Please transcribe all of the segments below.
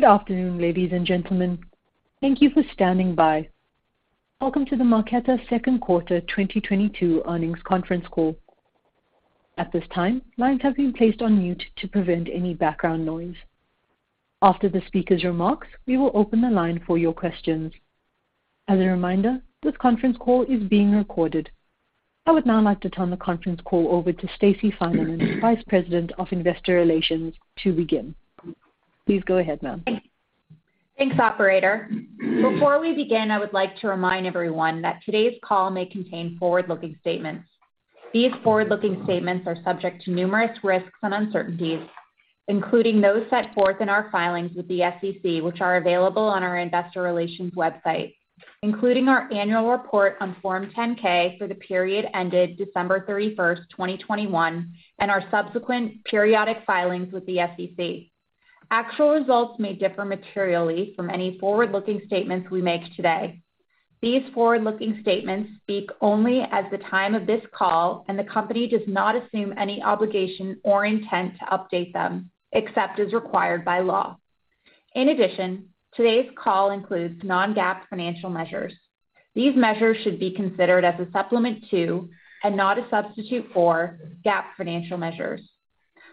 Good afternoon, ladies and gentlemen. Thank you for standing by. Welcome to the Marqeta Second Quarter 2022 earnings conference call. At this time, lines have been placed on mute to prevent any background noise. After the speaker's remarks, we will open the line for your questions. As a reminder, this conference call is being recorded. I would now like to turn the conference call over to Stacey Finerman, Vice President of Investor Relations, to begin. Please go ahead, ma'am. Thanks, operator. Before we begin, I would like to remind everyone that today's call may contain forward-looking statements. These forward-looking statements are subject to numerous risks and uncertainties, including those set forth in our filings with the SEC, which are available on our investor relations website, including our annual report on Form 10-K for the period ended December 31st, 2021, and our subsequent periodic filings with the SEC. Actual results may differ materially from any forward-looking statements we make today. These forward-looking statements speak only as of the time of this call, and the company does not assume any obligation or intent to update them except as required by law. In addition, today's call includes non-GAAP financial measures. These measures should be considered as a supplement to, and not a substitute for, GAAP financial measures.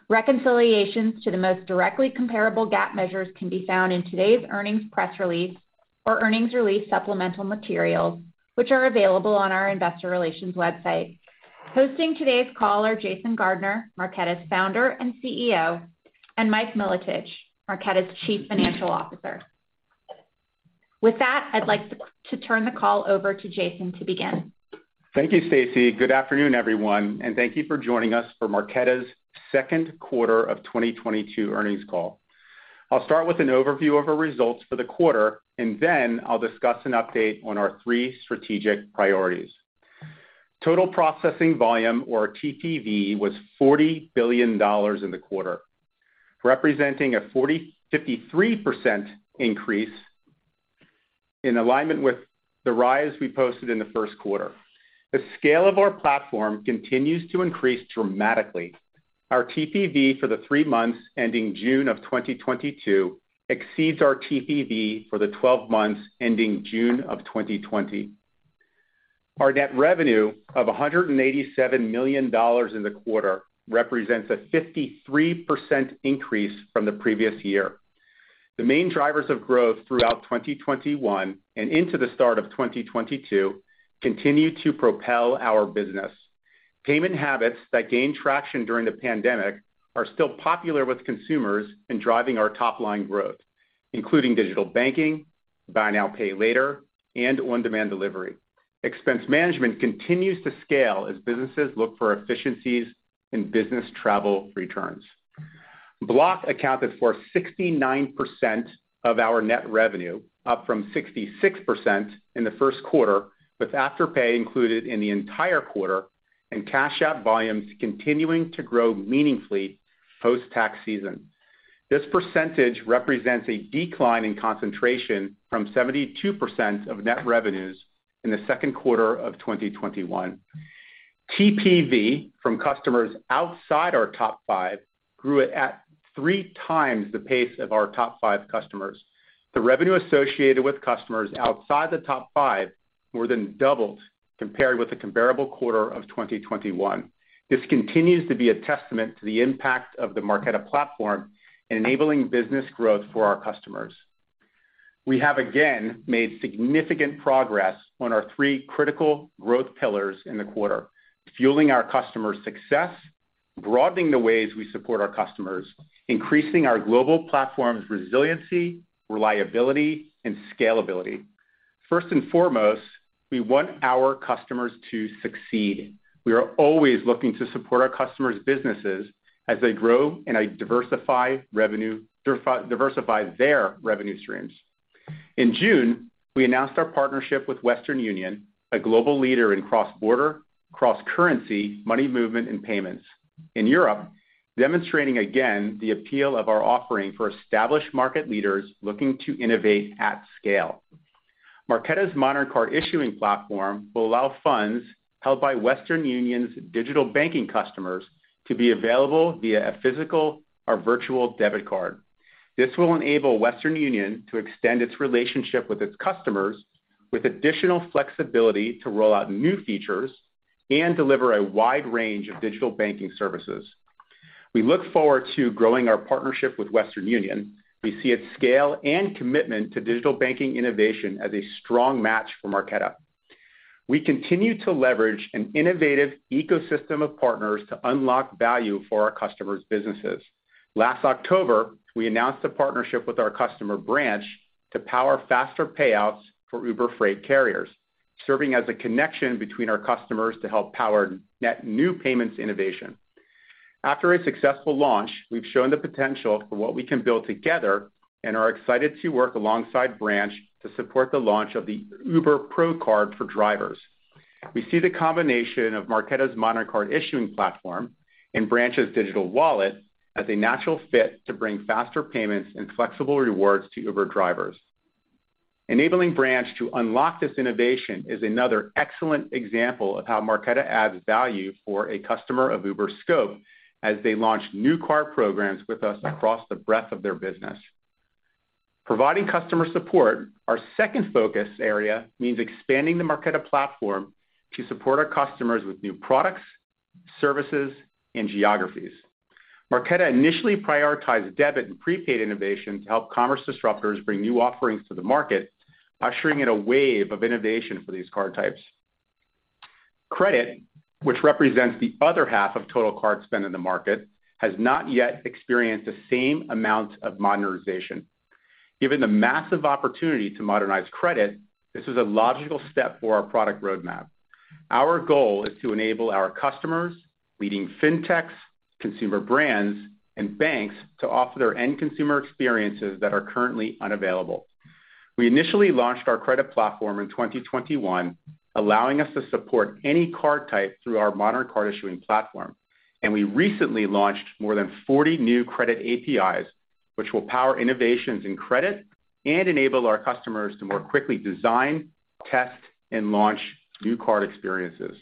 Reconciliations to the most directly comparable GAAP measures can be found in today's earnings press release or earnings release supplemental materials, which are available on our investor relations website. Hosting today's call are Jason Gardner, Marqeta's Founder and CEO, and Mike Milotich, Marqeta's Chief Financial Officer. With that, I'd like to turn the call over to Jason to begin. Thank you, Stacey. Good afternoon, everyone, and thank you for joining us for Marqeta's second quarter of 2022 earnings call. I'll start with an overview of our results for the quarter, and then I'll discuss an update on our three strategic priorities. Total processing volume or TPV was $40 billion in the quarter, representing a 53% increase in line with the rise we posted in the first quarter. The scale of our platform continues to increase dramatically. Our TPV for the three months ending June of 2022 exceeds our TPV for the 12 months ending June of 2020. Our net revenue of $187 million in the quarter represents a 53% increase from the previous year. The main drivers of growth throughout 2021 and into the start of 2022 continue to propel our business. Payment habits that gained traction during the pandemic are still popular with consumers in driving our top-line growth, including digital banking, buy now, pay later, and on-demand delivery. Expense management continues to scale as businesses look for efficiencies and business travel returns. Block accounted for 69% of our net revenue, up from 66% in the first quarter, with Afterpay included in the entire quarter and cash-out volumes continuing to grow meaningfully post-tax season. This percentage represents a decline in concentration from 72% of net revenues in the second quarter of 2021. TPV from customers outside our top five grew at three times the pace of our top five customers. The revenue associated with customers outside the top five more than doubled compared with the comparable quarter of 2021. This continues to be a testament to the impact of the Marqeta platform in enabling business growth for our customers. We have, again, made significant progress on our three critical growth pillars in the quarter, fueling our customers' success, broadening the ways we support our customers, increasing our global platform's resiliency, reliability, and scalability. First and foremost, we want our customers to succeed. We are always looking to support our customers' businesses as they grow and diversify their revenue streams. In June, we announced our partnership with Western Union, a global leader in cross-border, cross-currency money movement and payments in Europe, demonstrating again the appeal of our offering for established market leaders looking to innovate at scale. Marqeta's Modern Card Issuing platform will allow funds held by Western Union's digital banking customers to be available via a physical or virtual debit card. This will enable Western Union to extend its relationship with its customers with additional flexibility to roll out new features and deliver a wide range of digital banking services. We look forward to growing our partnership with Western Union. We see its scale and commitment to digital banking innovation as a strong match for Marqeta. We continue to leverage an innovative ecosystem of partners to unlock value for our customers' businesses. Last October, we announced a partnership with our customer Branch to power faster payouts for Uber freight carriers, serving as a connection between our customers to help power net new payments innovation. After a successful launch, we've shown the potential for what we can build together and are excited to work alongside Branch to support the launch of the Uber Pro Card for drivers. We see the combination of Marqeta's Modern Card Issuing platform and Branch's digital wallet as a natural fit to bring faster payments and flexible rewards to Uber drivers. Enabling brands to unlock this innovation is another excellent example of how Marqeta adds value for a customer of Uber's scope as they launch new card programs with us across the breadth of their business. Providing customer support, our second focus area, means expanding the Marqeta platform to support our customers with new products, services, and geographies. Marqeta initially prioritized debit and prepaid innovation to help commerce disruptors bring new offerings to the market, ushering in a wave of innovation for these card types. Credit, which represents the other half of total card spend in the market, has not yet experienced the same amount of modernization. Given the massive opportunity to modernize credit, this is a logical step for our product roadmap. Our goal is to enable our customers, leading fintechs, consumer brands, and banks to offer their end consumer experiences that are currently unavailable. We initially launched our credit platform in 2021, allowing us to support any card type through our modern card issuing platform. We recently launched more than 40 new credit APIs, which will power innovations in credit and enable our customers to more quickly design, test, and launch new card experiences.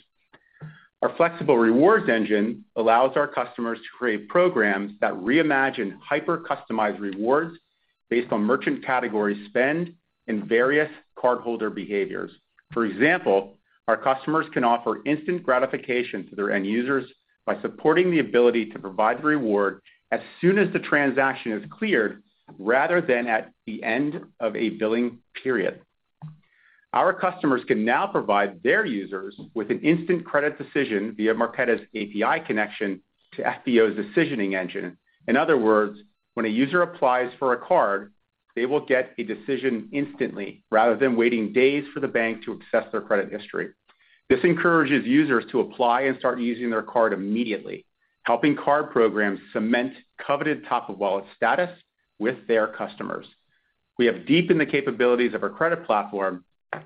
Our flexible rewards engine allows our customers to create programs that reimagine hyper-customized rewards based on merchant category spend and various cardholder behaviors. For example, our customers can offer instant gratification to their end users by supporting the ability to provide the reward as soon as the transaction is cleared, rather than at the end of a billing period. Our customers can now provide their users with an instant credit decision via Marqeta's API connection to FNBO's decisioning engine. In other words, when a user applies for a card, they will get a decision instantly rather than waiting days for the bank to access their credit history. This encourages users to apply and start using their card immediately, helping card programs cement coveted top-of-wallet status with their customers. We have deepened the capabilities of our credit platform,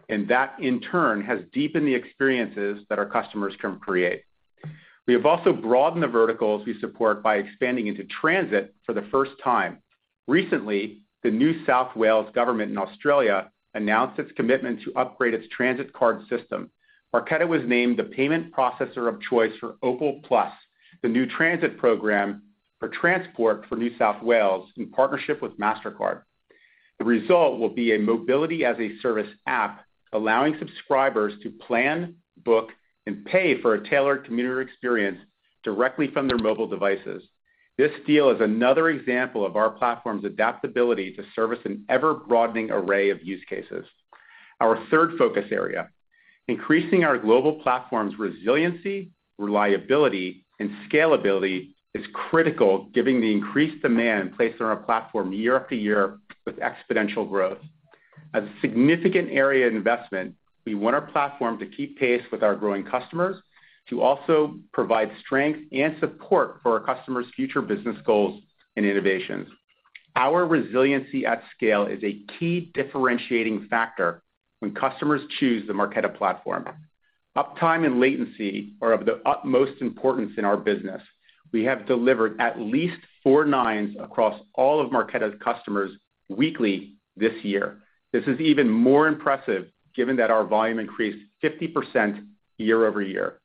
and that in turn has deepened the experiences that our customers can create. We have also broadened the verticals we support by expanding into transit for the first time. Recently, the New South Wales government in Australia announced its commitment to upgrade its transit card system. Marqeta was named the payment processor of choice for Opal Plus, the new transit program for transport for New South Wales in partnership with Mastercard. The result will be a mobility-as-a-service app, allowing subscribers to plan, book, and pay for a tailored commuter experience directly from their mobile devices. This deal is another example of our platform's adaptability to service an ever-broadening array of use cases. Our third focus area, increasing our global platform's resiliency, reliability, and scalability is critical given the increased demand placed on our platform year after year with exponential growth. A significant area of investment, we want our platform to keep pace with our growing customers, to also provide strength and support for our customers' future business goals and innovations. Our resiliency at scale is a key differentiating factor when customers choose the Marqeta platform. Uptime and latency are of the utmost importance in our business. We have delivered at least four nines across all of Marqeta's customers weekly this year. This is even more impressive given that our volume increased 50% year over year.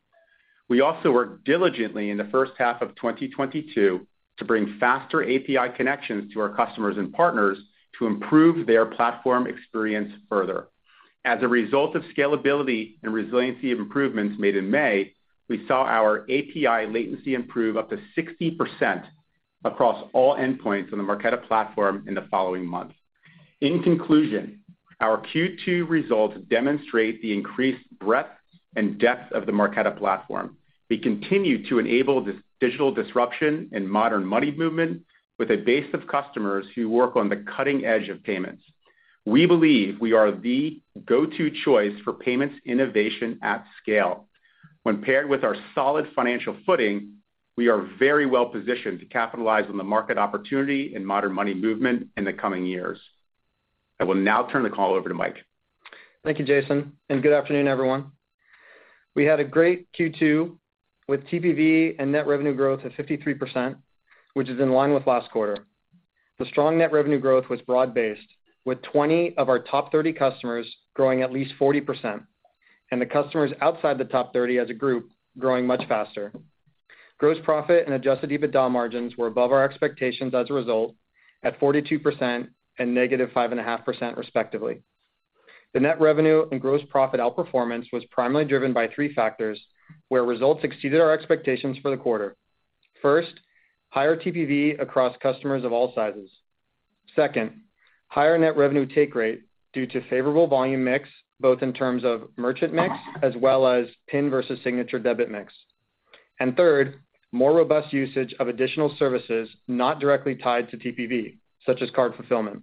We also worked diligently in the first half of 2022 to bring faster API connections to our customers and partners to improve their platform experience further. As a result of scalability and resiliency of improvements made in May, we saw our API latency improve up to 60% across all endpoints on the Marqeta platform in the following month. In conclusion, our Q2 results demonstrate the increased breadth and depth of the Marqeta platform. We continue to enable this digital disruption and modern money movement with a base of customers who work on the cutting edge of payments. We believe we are the go-to choice for payments innovation at scale. When paired with our solid financial footing, we are very well-positioned to capitalize on the market opportunity and modern money movement in the coming years. I will now turn the call over to Mike. Thank you, Jason, and good afternoon, everyone. We had a great Q2 with TPV and net revenue growth at 53%, which is in line with last quarter. The strong net revenue growth was broad-based, with 20 of our top 30 customers growing at least 40%, and the customers outside the top 30 as a group growing much faster. Gross profit and adjusted EBITDA margins were above our expectations as a result, at 42% and -5.5% respectively. The net revenue and gross profit outperformance was primarily driven by three factors, where results exceeded our expectations for the quarter. First, higher TPV across customers of all sizes. Second, higher net revenue take rate due to favorable volume mix, both in terms of merchant mix as well as PIN versus signature debit mix. Third, more robust usage of additional services not directly tied to TPV, such as card fulfillment.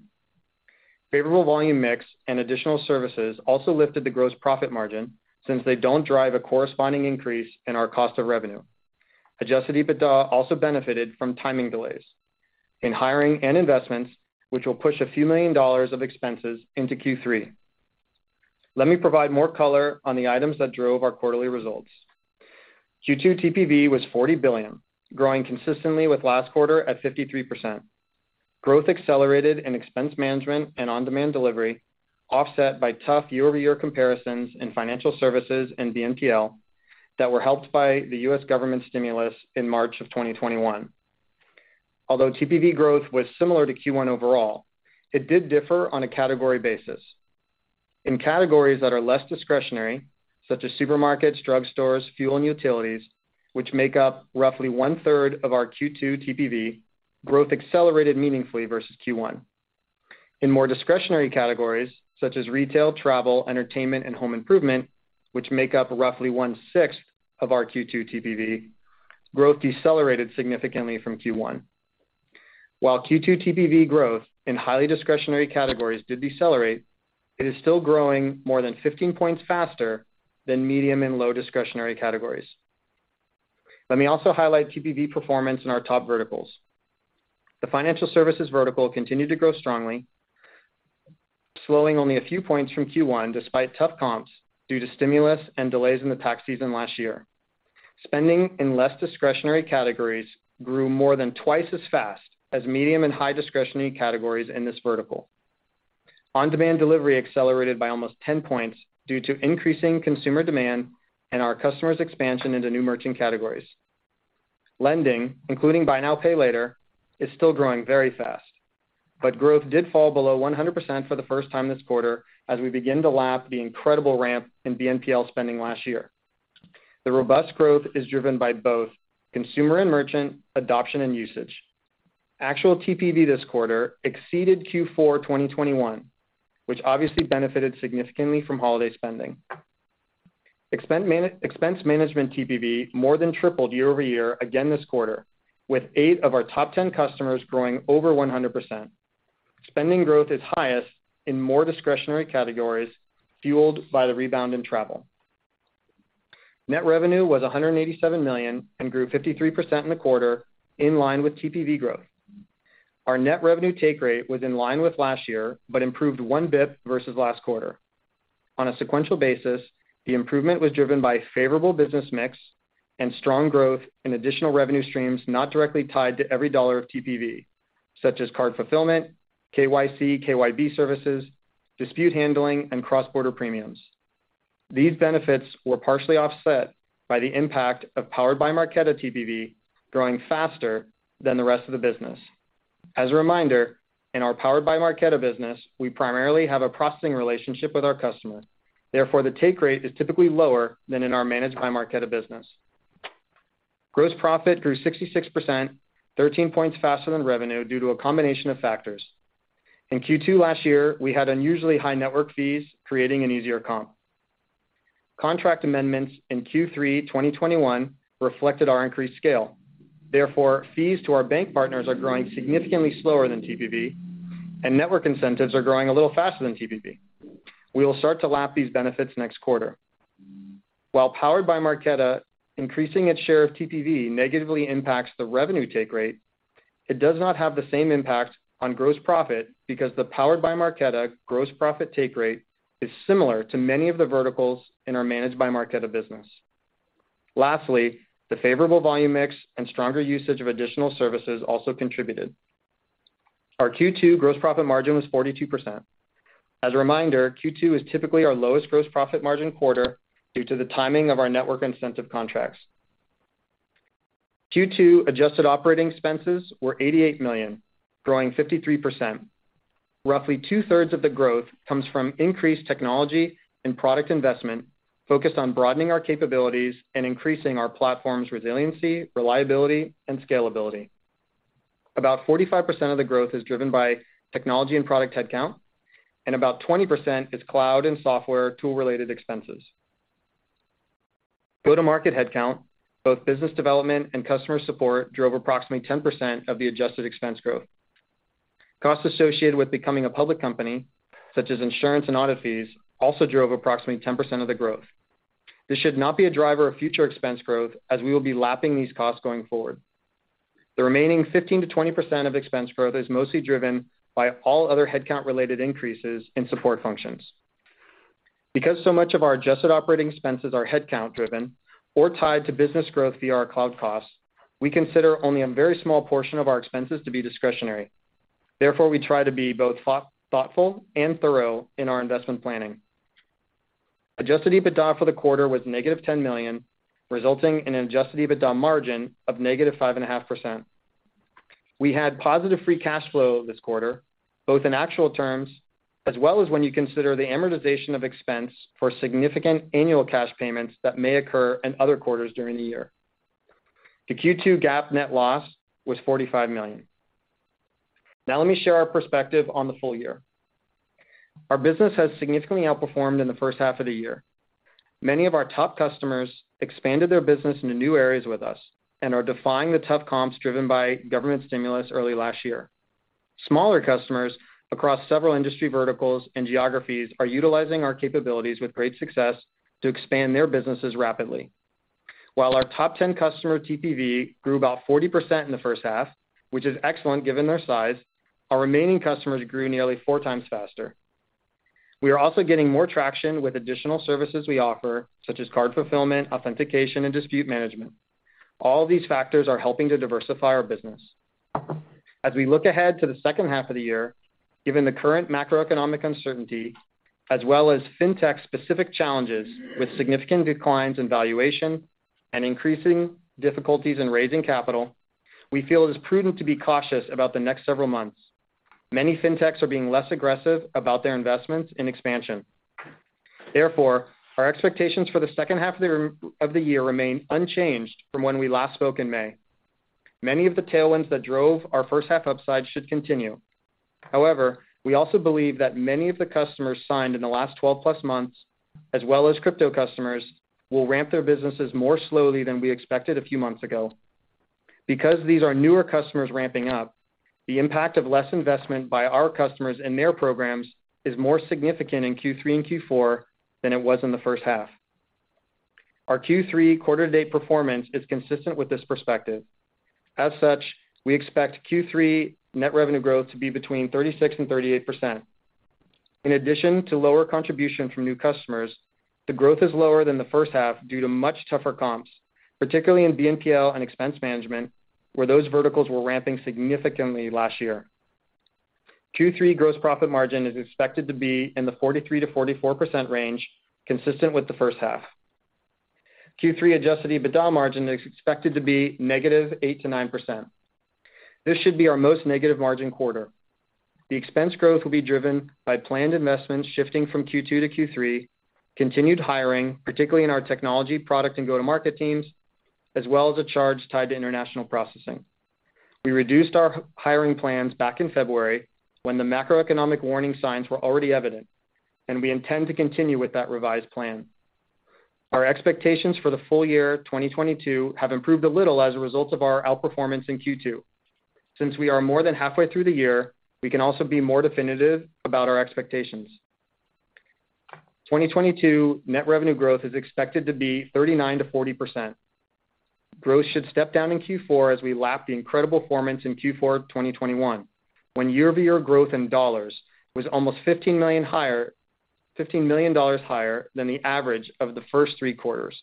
Favorable volume mix and additional services also lifted the gross profit margin, since they don't drive a corresponding increase in our cost of revenue. Adjusted EBITDA also benefited from timing delays in hiring and investments, which will push $a few million of expenses into Q3. Let me provide more color on the items that drove our quarterly results. Q2 TPV was $40 billion, growing consistently with last quarter at 53%. Growth accelerated in expense management and on-demand delivery, offset by tough year-over-year comparisons in financial services and BNPL that were helped by the U.S. government stimulus in March 2021. Although TPV growth was similar to Q1 overall, it did differ on a category basis. In categories that are less discretionary, such as supermarkets, drugstores, fuel and utilities, which make up roughly 1/3 of our Q2 TPV, growth accelerated meaningfully versus Q1. In more discretionary categories such as retail, travel, entertainment, and home improvement, which make up roughly 1/6 of our Q2 TPV, growth decelerated significantly from Q1. While Q2 TPV growth in highly discretionary categories did decelerate, it is still growing more than 15 points faster than medium and low discretionary categories. Let me also highlight TPV performance in our top verticals. The financial services vertical continued to grow strongly, slowing only a few points from Q1 despite tough comps due to stimulus and delays in the tax season last year. Spending in less discretionary categories grew more than twice as fast as medium and high discretionary categories in this vertical. On-demand delivery accelerated by almost 10 points due to increasing consumer demand and our customers' expansion into new merchant categories. Lending, including buy now, pay later, is still growing very fast, but growth did fall below 100% for the first time this quarter as we begin to lap the incredible ramp in BNPL spending last year. The robust growth is driven by both consumer and merchant adoption and usage. Actual TPV this quarter exceeded Q4 2021, which obviously benefited significantly from holiday spending. Expense management TPV more than tripled year over year again this quarter, with eight of our top 10 customers growing over 100%. Spending growth is highest in more discretionary categories, fueled by the rebound in travel. Net revenue was $187 million and grew 53% in the quarter, in line with TPV growth. Our net revenue take rate was in line with last year, but improved 1 basis point versus last quarter. On a sequential basis, the improvement was driven by favorable business mix and strong growth in additional revenue streams not directly tied to every dollar of TPV, such as card fulfillment, KYC, KYB services, dispute handling, and cross-border premiums. These benefits were partially offset by the impact of Powered by Marqeta TPV growing faster than the rest of the business. As a reminder, in our Powered by Marqeta business, we primarily have a processing relationship with our customer. Therefore, the take rate is typically lower than in our Managed by Marqeta business. Gross profit grew 66%, 13 points faster than revenue due to a combination of factors. In Q2 last year, we had unusually high network fees, creating an easier comp. Contract amendments in Q3 2021 reflected our increased scale. Therefore, fees to our bank partners are growing significantly slower than TPV, and network incentives are growing a little faster than TPV. We will start to lap these benefits next quarter. While Powered by Marqeta increasing its share of TPV negatively impacts the revenue take rate, it does not have the same impact on gross profit because the Powered by Marqeta gross profit take rate is similar to many of the verticals in our Managed by Marqeta business. Lastly, the favorable volume mix and stronger usage of additional services also contributed. Our Q2 gross profit margin was 42%. As a reminder, Q2 is typically our lowest gross profit margin quarter due to the timing of our network incentive contracts. Q2 adjusted operating expenses were $88 million, growing 53%. Roughly two-thirds of the growth comes from increased technology and product investment focused on broadening our capabilities and increasing our platform's resiliency, reliability, and scalability. About 45% of the growth is driven by technology and product headcount, and about 20% is cloud and software tool-related expenses. Go-to-market headcount, both business development and customer support, drove approximately 10% of the adjusted expense growth. Costs associated with becoming a public company, such as insurance and audit fees, also drove approximately 10% of the growth. This should not be a driver of future expense growth, as we will be lapping these costs going forward. The remaining 15% to 20% of expense growth is mostly driven by all other headcount-related increases in support functions. Because so much of our adjusted operating expenses are headcount driven or tied to business growth via our cloud costs, we consider only a very small portion of our expenses to be discretionary. Therefore, we try to be both thoughtful and thorough in our investment planning. Adjusted EBITDA for the quarter was -$10 million, resulting in an adjusted EBITDA margin of -5.5%. We had positive free cash flow this quarter, both in actual terms as well as when you consider the amortization of expense for significant annual cash payments that may occur in other quarters during the year. The Q2 GAAP net loss was $45 million. Now, let me share our perspective on the full year. Our business has significantly outperformed in the first half of the year. Many of our top customers expanded their business into new areas with us and are defying the tough comps driven by government stimulus early last year. Smaller customers across several industry verticals and geographies are utilizing our capabilities with great success to expand their businesses rapidly. While our top 10 customer TPV grew about 40% in the first half, which is excellent given their size, our remaining customers grew nearly four times faster. We are also getting more traction with additional services we offer, such as card fulfillment, authentication, and dispute management. All these factors are helping to diversify our business. As we look ahead to the second half of the year, given the current macroeconomic uncertainty, as well as fintech-specific challenges with significant declines in valuation and increasing difficulties in raising capital, we feel it is prudent to be cautious about the next several months. Many fintechs are being less aggressive about their investments in expansion. Therefore, our expectations for the second half of the year remain unchanged from when we last spoke in May. Many of the tailwinds that drove our first half upside should continue. However, we also believe that many of the customers signed in the last 12-plus months, as well as crypto customers, will ramp their businesses more slowly than we expected a few months ago. Because these are newer customers ramping up, the impact of less investment by our customers and their programs is more significant in Q3 and Q4 than it was in the first half. Our Q3 quarter to date performance is consistent with this perspective. As such, we expect Q3 net revenue growth to be between 36% and 38%. In addition to lower contribution from new customers, the growth is lower than the first half due to much tougher comps, particularly in BNPL and expense management, where those verticals were ramping significantly last year. Q3 gross profit margin is expected to be in the 43%-44% range, consistent with the first half. Q3 adjusted EBITDA margin is expected to be -8% to -9%. This should be our most negative margin quarter. The expense growth will be driven by planned investments shifting from Q2 to Q3, continued hiring, particularly in our technology, product, and go-to-market teams, as well as a charge tied to international processing. We reduced our hiring plans back in February when the macroeconomic warning signs were already evident, and we intend to continue with that revised plan. Our expectations for the full year 2022 have improved a little as a result of our outperformance in Q2. Since we are more than halfway through the year, we can also be more definitive about our expectations. 2022 net revenue growth is expected to be 39% to 40%. Growth should step down in Q4 as we lap the incredible performance in Q4 of 2021, when year-over-year growth in dollars was almost $15 million higher than the average of the first three quarters,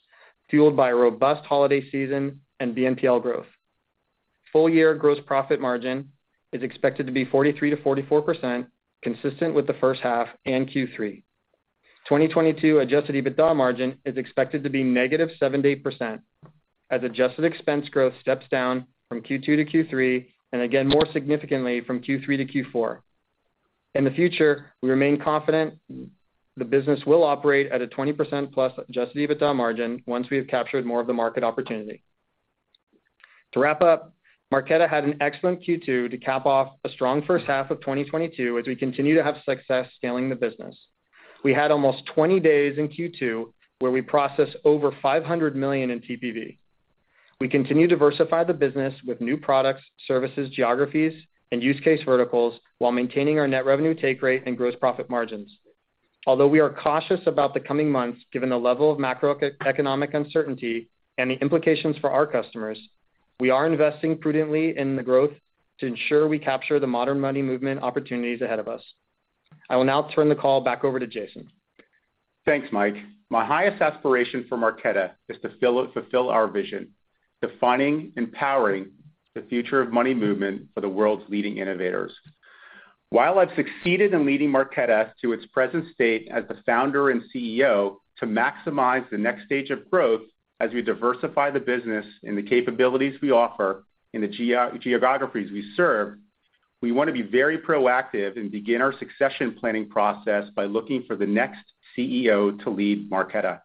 fueled by a robust holiday season and BNPL growth. Full-year gross profit margin is expected to be 43% to 44%, consistent with the first half and Q3. 2022 adjusted EBITDA margin is expected to be -7%-8%, as adjusted expense growth steps down from Q2 to Q3, and again, more significantly from Q3 to Q4. In the future, we remain confident the business will operate at a 20%+ adjusted EBITDA margin once we have captured more of the market opportunity. To wrap up, Marqeta had an excellent Q2 to cap off a strong first half of 2022 as we continue to have success scaling the business. We had almost 20 days in Q2 where we processed over $500 million in TPV. We continue to diversify the business with new products, services, geographies, and use case verticals while maintaining our net revenue take rate and gross profit margins. Although we are cautious about the coming months, given the level of macroeconomic uncertainty and the implications for our customers, we are investing prudently in the growth to ensure we capture the modern money movement opportunities ahead of us. I will now turn the call back over to Jason. Thanks, Mike. My highest aspiration for Marqeta is to fulfill our vision, defining and powering the future of money movement for the world's leading innovators. While I've succeeded in leading Marqeta to its present state as the founder and CEO to maximize the next stage of growth as we diversify the business and the capabilities we offer in the geographies we serve, we want to be very proactive and begin our succession planning process by looking for the next CEO to lead Marqeta.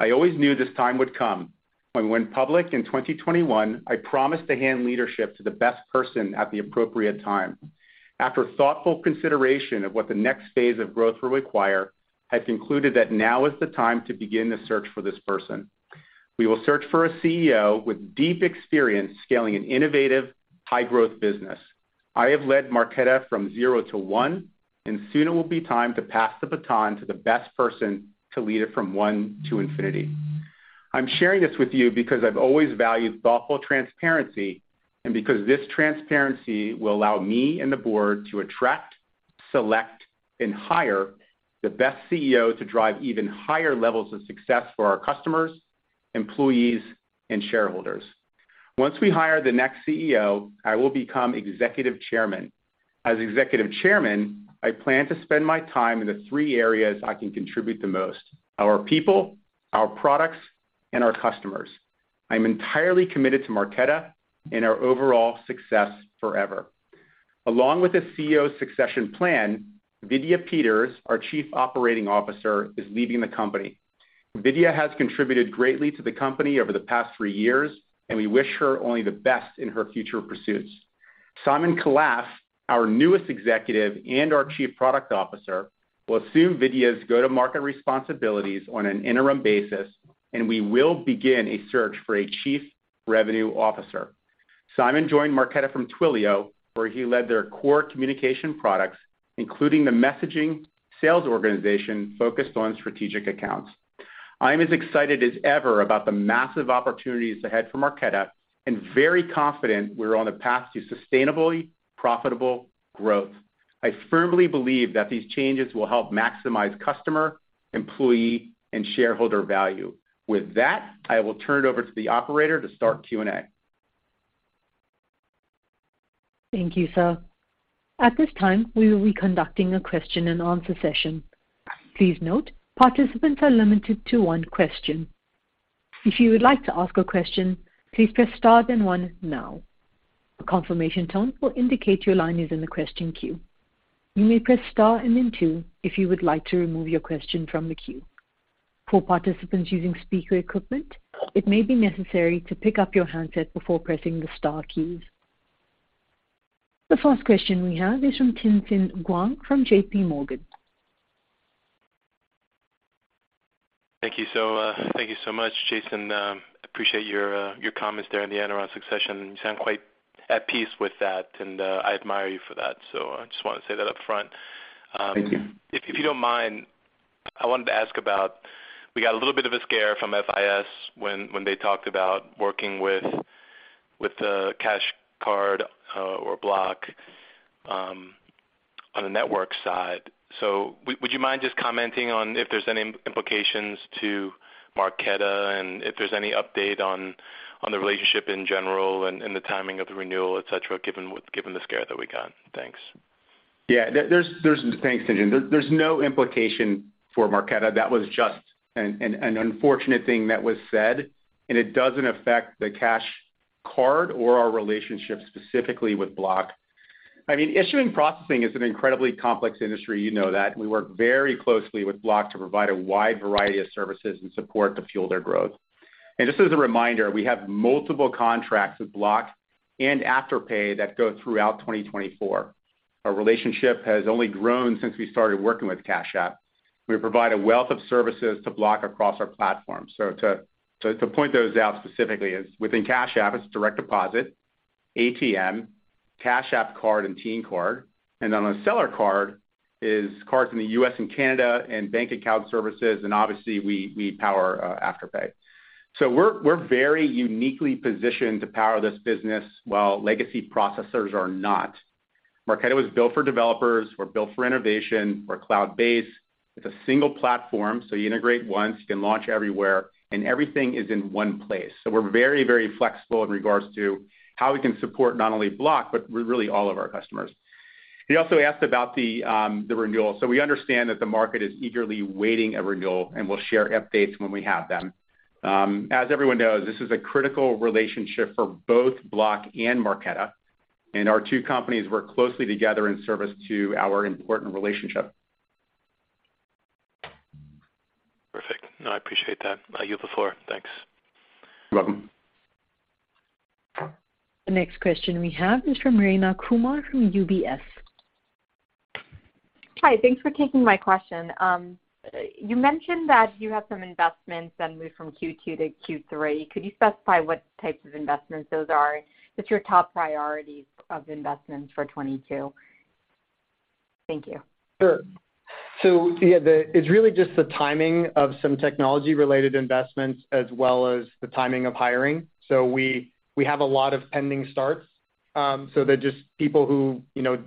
I always knew this time would come. When we went public in 2021, I promised to hand leadership to the best person at the appropriate time. After thoughtful consideration of what the next phase of growth will require, I've concluded that now is the time to begin the search for this person. We will search for a CEO with deep experience scaling an innovative, high-growth business. I have led Marqeta from zero to one, and soon it will be time to pass the baton to the best person to lead it from one to infinity. I'm sharing this with you because I've always valued thoughtful transparency and because this transparency will allow me and the board to attract, select, and hire the best CEO to drive even higher levels of success for our customers, employees, and shareholders. Once we hire the next CEO, I will become Executive Chairman. As executive chairman, I plan to spend my time in the three areas I can contribute the most. Our people, our products, and our customers. I'm entirely committed to Marqeta and our overall success forever. Along with the CEO succession plan, Vidya Peters, our Chief Operating Officer, is leaving the company. Vidya has contributed greatly to the company over the past three years, and we wish her only the best in her future pursuits. Simon Khalaf, our newest executive and our Chief Product Officer, will assume Vidya's go-to-market responsibilities on an interim basis, and we will begin a search for a Chief Revenue Officer. Simon joined Marqeta from Twilio, where he led their core communication products, including the messaging sales organization focused on strategic accounts. I am as excited as ever about the massive opportunities ahead for Marqeta and very confident we're on a path to sustainably profitable growth. I firmly believe that these changes will help maximize customer, employee, and shareholder value. With that, I will turn it over to the operator to start Q&A. Thank you, sir. At this time, we will be conducting a question and answer session. Please note, participants are limited to one question. If you would like to ask a question, please press star then one now. A confirmation tone will indicate your line is in the question queue. You may press star and then two if you would like to remove your question from the queue. For participants using speaker equipment, it may be necessary to pick up your handset before pressing the star keys. The first question we have is from Tien-Tsin Huang from JPMorgan. Thank you. Thank you so much, Jason. I appreciate your comments there in the CEO succession. You sound quite at peace with that, and I admire you for that. I just want to say that up front. Thank you. If you don't mind, I wanted to ask about we got a little bit of a scare from FIS when they talked about working with the Cash App Card or Block on a network side. Would you mind just commenting on if there's any implications to Marqeta and if there's any update on the relationship in general and the timing of the renewal, et cetera, given the scare that we got? Thanks. Yeah. Thanks, Tsin. There’s no implication for Marqeta. That was just an unfortunate thing that was said, and it doesn't affect the Cash App Card or our relationship specifically with Block. I mean, issuing processing is an incredibly complex industry. You know that. We work very closely with Block to provide a wide variety of services and support to fuel their growth. Just as a reminder, we have multiple contracts with Block and Afterpay that go throughout 2024. Our relationship has only grown since we started working with Cash App. We provide a wealth of services to Block across our platform. To point those out specifically is within Cash App, it's direct deposit, ATM, Cash App Card and Teen Card. On the Square Cards in the U.S. and Canada and bank account services and obviously we power Afterpay. We're very uniquely positioned to power this business, while legacy processors are not. Marqeta was built for developers. We're built for innovation. We're cloud-based. It's a single platform, so you integrate once, you can launch everywhere, and everything is in one place. We're very, very flexible in regards to how we can support not only Block, but really all of our customers. You also asked about the renewal. We understand that the market is eagerly awaiting a renewal, and we'll share updates when we have them. As everyone knows, this is a critical relationship for both Block and Marqeta, and our two companies work closely together in service to our important relationship. Perfect. No, I appreciate that. I give the floor. Thanks. You're welcome. The next question we have is from Rayna Kumar from UBS. Hi. Thanks for taking my question. You mentioned that you have some investments that move from Q2 to Q3. Could you specify what types of investments those are? What's your top priorities of investments for 2022? Thank you. Sure. Yeah, it's really just the timing of some technology-related investments as well as the timing of hiring. We have a lot of pending starts, so they're just people who, you know,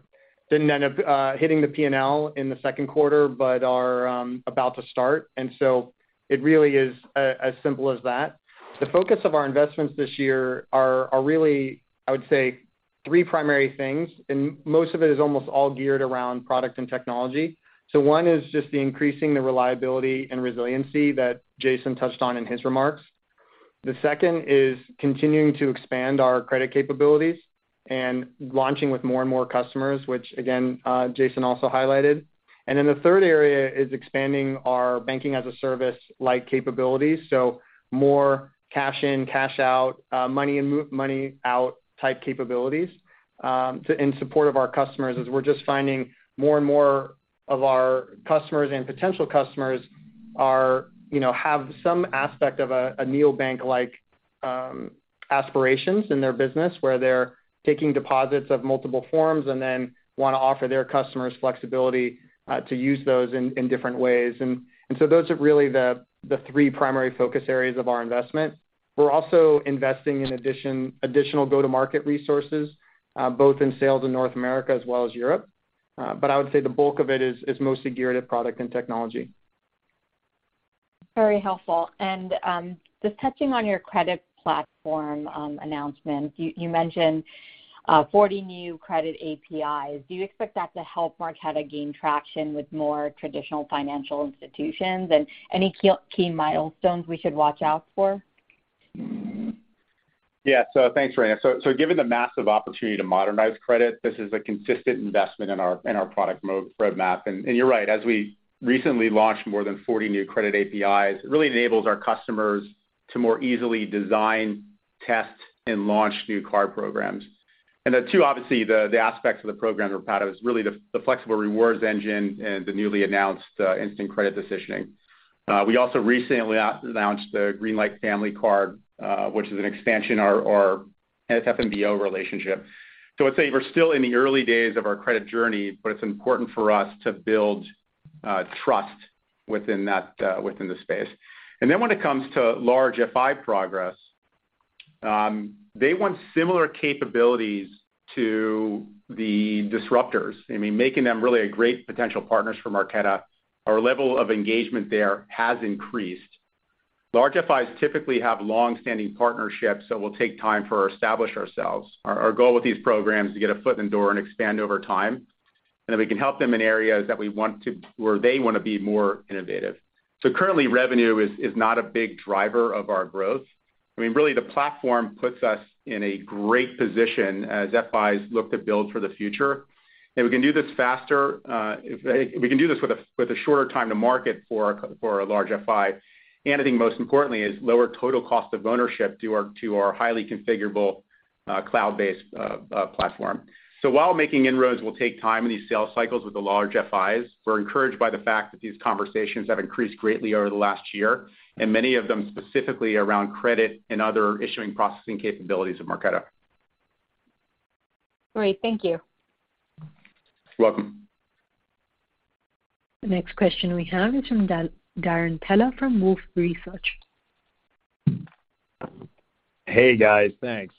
didn't end up hitting the P&L in the second quarter but are about to start. It really is as simple as that. The focus of our investments this year are really, I would say, three primary things, and most of it is almost all geared around products and technology. One is just increasing the reliability and resiliency that Jason touched on in his remarks. The second is continuing to expand our credit capabilities and launching with more and more customers, which again, Jason also highlighted. Then the third area is expanding our Banking-as-a-Service-like capabilities, so more cash in, cash out, money in, money out type capabilities, to in support of our customers, as we're just finding more and more of our customers and potential customers are, you know, have some aspect of a neobank-like aspirations in their business, where they're taking deposits of multiple forms and then wanna offer their customers flexibility to use those in different ways. Those are really the three primary focus areas of our investment. We're also investing in additional go-to-market resources, both in sales in North America as well as Europe. I would say the bulk of it is mostly geared at product and technology. Very helpful. Just touching on your credit platform announcement, you mentioned 40 new credit APIs. Do you expect that to help Marqeta gain traction with more traditional financial institutions, and any key milestones we should watch out for? Thanks, Rayna. Given the massive opportunity to modernize credit, this is a consistent investment in our product roadmap. You're right, as we recently launched more than 40 new credit APIs, it really enables our customers to more easily design, test, and launch new card programs. The two, obviously, the aspects of the program are really the flexible rewards engine and the newly announced instant credit decisioning. We also recently announced the Greenlight family card, which is an expansion our FNBO relationship. I'd say we're still in the early days of our credit journey, but it's important for us to build trust within the space. When it comes to large FIs progress, they want similar capabilities to the disruptors. I mean, making them really a great potential partners for Marqeta. Our level of engagement there has increased. Large FIs typically have long-standing partnerships that will take time to establish ourselves. Our goal with these programs is to get a foot in the door and expand over time, and if we can help them in areas where they want to be more innovative. Currently, revenue is not a big driver of our growth. I mean, really the platform puts us in a great position as FIs look to build for the future. We can do this faster with a shorter time to market for a large FI. I think most importantly is lower total cost of ownership to our highly configurable cloud-based platform. While making inroads will take time in these sales cycles with the large FIs, we're encouraged by the fact that these conversations have increased greatly over the last year, and many of them specifically around credit and other issuing processing capabilities of Marqeta. Great. Thank you. You're welcome. The next question we have is from Darrin Peller from Wolfe Research. Hey, guys. Thanks.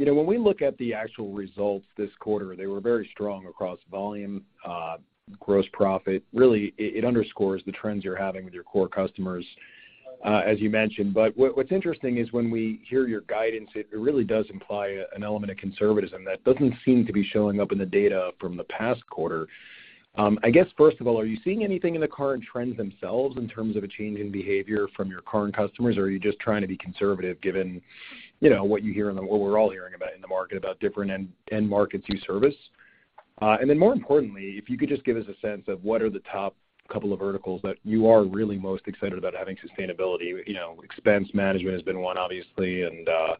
You know, when we look at the actual results this quarter, they were very strong across volume, gross profit. Really, it underscores the trends you're having with your core customers, as you mentioned. What's interesting is when we hear your guidance, it really does imply an element of conservatism that doesn't seem to be showing up in the data from the past quarter. I guess, first of all, are you seeing anything in the current trends themselves in terms of a change in behavior from your current customers, or are you just trying to be conservative given, you know, what we're all hearing about in the market about different end markets you service? More importantly, if you could just give us a sense of what are the top couple of verticals that you are really most excited about having sustainability. You know, expense management has been one, obviously, and I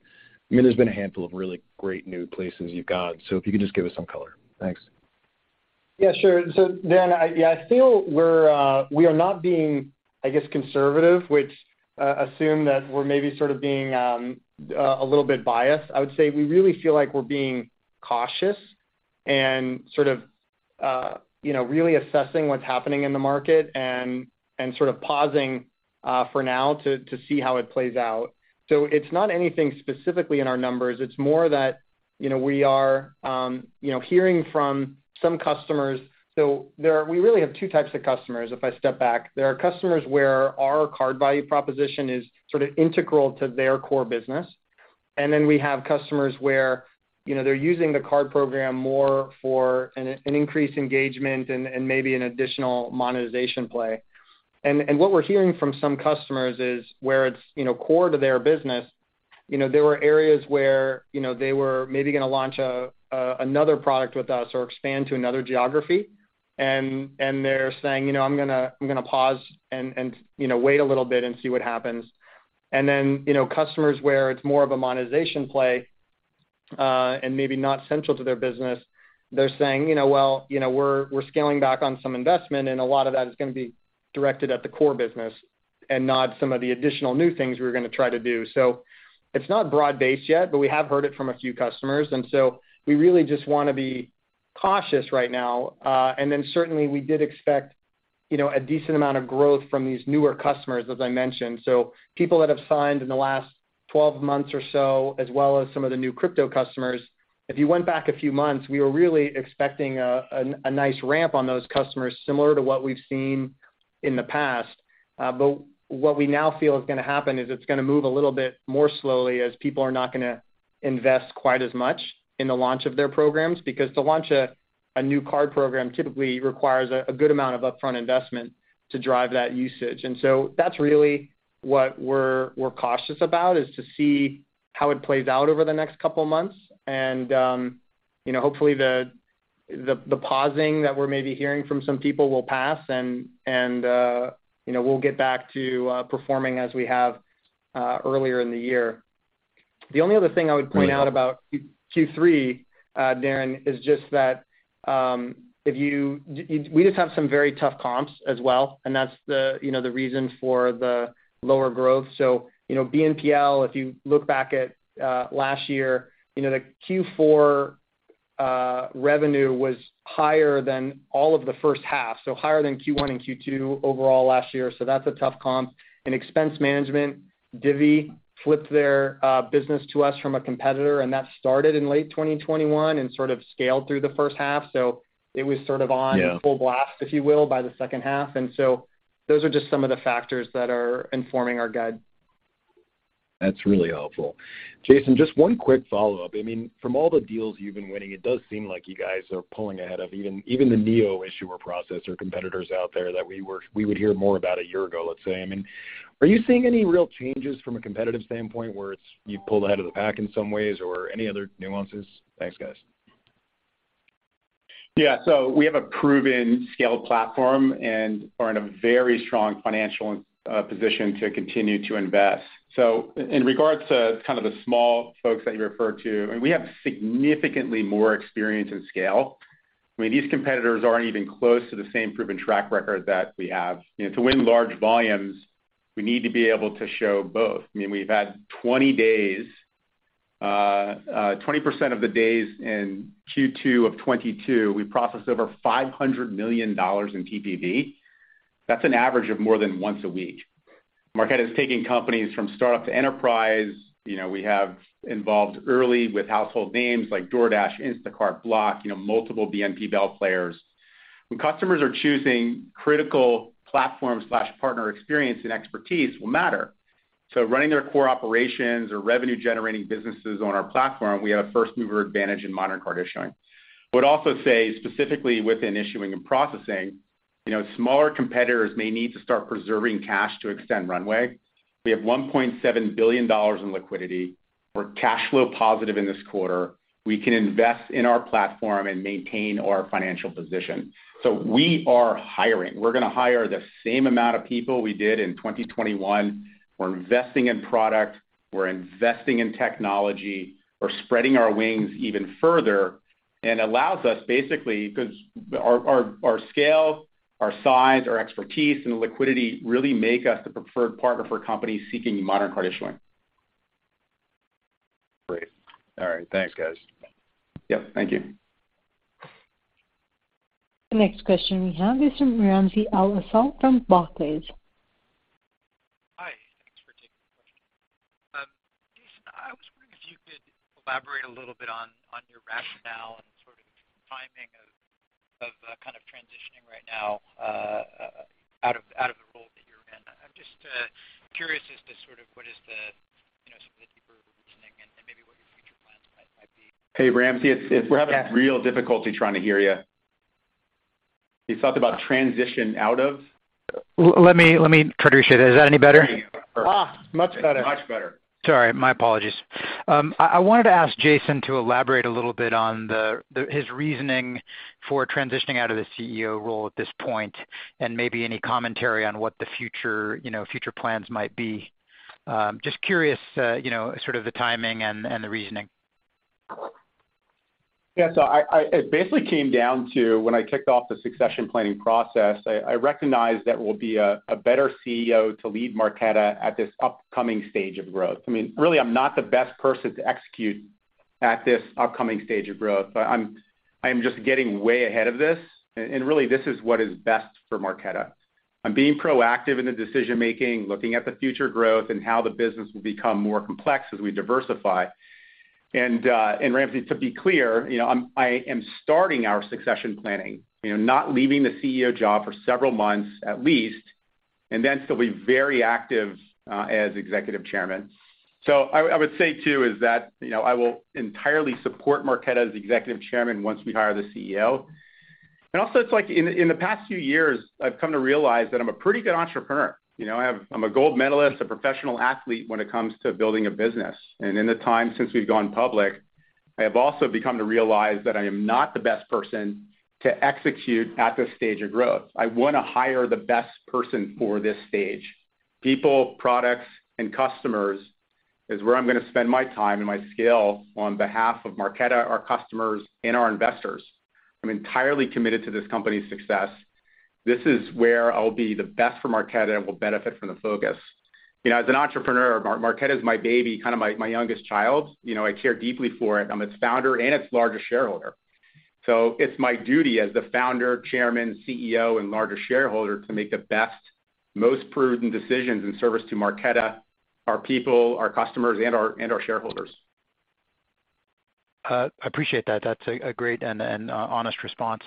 mean, there's been a handful of really great new places you've got. If you could just give us some color. Thanks. Yeah, sure. Darrin, I feel we're not being, I guess, conservative, which I assume that we're maybe sort of being a little bit biased. I would say we really feel like we're being cautious and sort of you know really assessing what's happening in the market and sort of pausing for now to see how it plays out. It's not anything specifically in our numbers, it's more that you know we are you know hearing from some customers. We really have two types of customers, if I step back. There are customers where our card value proposition is sort of integral to their core business, and then we have customers where you know they're using the card program more for an increased engagement and maybe an additional monetization play. What we're hearing from some customers is where it's, you know, core to their business, you know, there were areas where, you know, they were maybe gonna launch another product with us or expand to another geography and they're saying, "You know, I'm gonna pause and, you know, wait a little bit and see what happens." Then, you know, customers where it's more of a monetization play and maybe not central to their business, they're saying, "You know, well, you know, we're scaling back on some investment, and a lot of that is gonna be directed at the core business and not some of the additional new things we're gonna try to do." So it's not broad-based yet, but we have heard it from a few customers. We really just wanna be cautious right now. Certainly, we did expect, you know, a decent amount of growth from these newer customers, as I mentioned. People that have signed in the last 12 months or so, as well as some of the new crypto customers. If you went back a few months, we were really expecting a nice ramp on those customers, similar to what we've seen in the past. What we now feel is gonna happen is it's gonna move a little bit more slowly as people are not gonna invest quite as much in the launch of their programs. Because to launch a new card program typically requires a good amount of upfront investment to drive that usage. That's really what we're cautious about, is to see how it plays out over the next couple of months. You know, hopefully the pausing that we're maybe hearing from some people will pass and you know, we'll get back to performing as we have earlier in the year. The only other thing I would point out about Q3, Darrin, is just that if we just have some very tough comps as well, and that's you know, the reason for the lower growth. You know, BNPL, if you look back at last year, you know, the Q4 revenue was higher than all of the first half. So higher than Q1 and Q2 overall last year. So that's a tough comp. In expense management, Divvy flipped their business to us from a competitor, and that started in late 2021 and sort of scaled through the first half. It was sort of on- Yeah. -full blast, if you will, by the second half. Those are just some of the factors that are informing our guide. That's really helpful. Jason, just one quick follow-up. I mean, from all the deals you've been winning, it does seem like you guys are pulling ahead of even the neo-issuer processor competitors out there that we would hear more about a year ago, let's say. I mean, are you seeing any real changes from a competitive standpoint where it's you've pulled ahead of the pack in some ways or any other nuances? Thanks, guys. Yeah. We have a proven scaled platform and are in a very strong financial position to continue to invest. In regards to kind of the small folks that you referred to, I mean, we have significantly more experience and scale. I mean, these competitors aren't even close to the same proven track record that we have. You know, to win large volumes, we need to be able to show both. I mean, we've had 20 days, 20% of the days in Q2 of 2022, we processed over $500 million in TPV. That's an average of more than once a week. Marqeta is taking companies from startup to enterprise. You know, we have involved early with household names like DoorDash, Instacart, Block, you know, multiple BNPL players. When customers are choosing, critical platform/partner experience and expertise will matter. Running their core operations or revenue-generating businesses on our platform, we have a first-mover advantage in modern card issuing. Would also say, specifically within issuing and processing, you know, smaller competitors may need to start preserving cash to extend runway. We have $1.7 billion in liquidity. We're cash flow positive in this quarter. We can invest in our platform and maintain our financial position. We are hiring. We're gonna hire the same amount of people we did in 2021. We're investing in product, we're investing in technology. We're spreading our wings even further, and allows us basically, 'cause our scale, our size, our expertise, and liquidity really make us the preferred partner for companies seeking modern card issuing. Great. All right. Thanks, guys. Yep. Thank you. The next question we have is from Ramsey El-Assal from Barclays. Hi. Thanks for taking the question. Jason, I was wondering if you could elaborate a little bit on your rationale and sort of timing of kind of transitioning right now out of the role that you're in. I'm just curious as to sort of what is the, you know, some of the deeper reasoning and maybe what your future plans might be. Hey, Ramsey. Yeah. We're having real difficulty trying to hear you. You talked about transition out of? Let me try to reshare that. Is that any better? Great. Perfect. Much better. Much better. Sorry, my apologies. I wanted to ask Jason to elaborate a little bit on his reasoning for transitioning out of the CEO role at this point, and maybe any commentary on what the future, you know, future plans might be. Just curious, you know, sort of the timing and the reasoning. Yeah. It basically came down to when I kicked off the succession planning process, I recognized that we'll be a better CEO to lead Marqeta at this upcoming stage of growth. I mean, really, I'm not the best person to execute at this upcoming stage of growth, but I am just getting way ahead of this and really, this is what is best for Marqeta. I'm being proactive in the decision-making, looking at the future growth and how the business will become more complex as we diversify. Ramsey, to be clear, you know, I am starting our succession planning, you know, not leaving the CEO job for several months, at least, and then still be very active as executive chairman. I would say too is that, you know, I will entirely support Marqeta as executive chairman once we hire the CEO. Also, it's like in the past few years, I've come to realize that I'm a pretty good entrepreneur. You know, I have, I'm a gold medalist, a professional athlete when it comes to building a business. In the time since we've gone public, I have also come to realize that I am not the best person to execute at this stage of growth. I wanna hire the best person for this stage. People, products, and customers is where I'm gonna spend my time and my scale on behalf of Marqeta, our customers, and our investors. I'm entirely committed to this company's success. This is where I'll be the best for Marqeta and will benefit from the focus. You know, as an entrepreneur, Marqeta is my baby, kind of my youngest child. You know, I care deeply for it. I'm its founder and its largest shareholder. It's my duty as the founder, Chairman, CEO, and largest shareholder to make the best, most prudent decisions in service to Marqeta, our people, our customers, and our shareholders. Appreciate that. That's a great and honest response.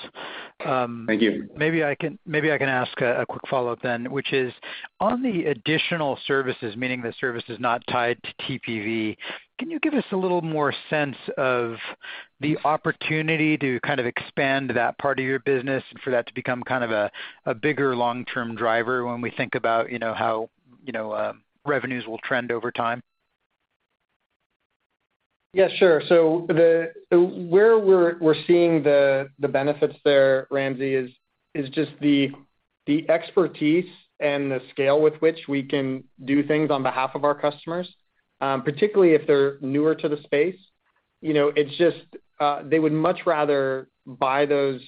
Thank you. Maybe I can ask a quick follow-up then, which is, on the additional services, meaning the services not tied to TPV, can you give us a little more sense of the opportunity to kind of expand that part of your business and for that to become kind of a bigger long-term driver when we think about, you know, how, you know, revenues will trend over time? Yeah, sure. Where we're seeing the benefits there, Ramsey, is just the expertise and the scale with which we can do things on behalf of our customers, particularly if they're newer to the space. You know, it's just they would much rather buy those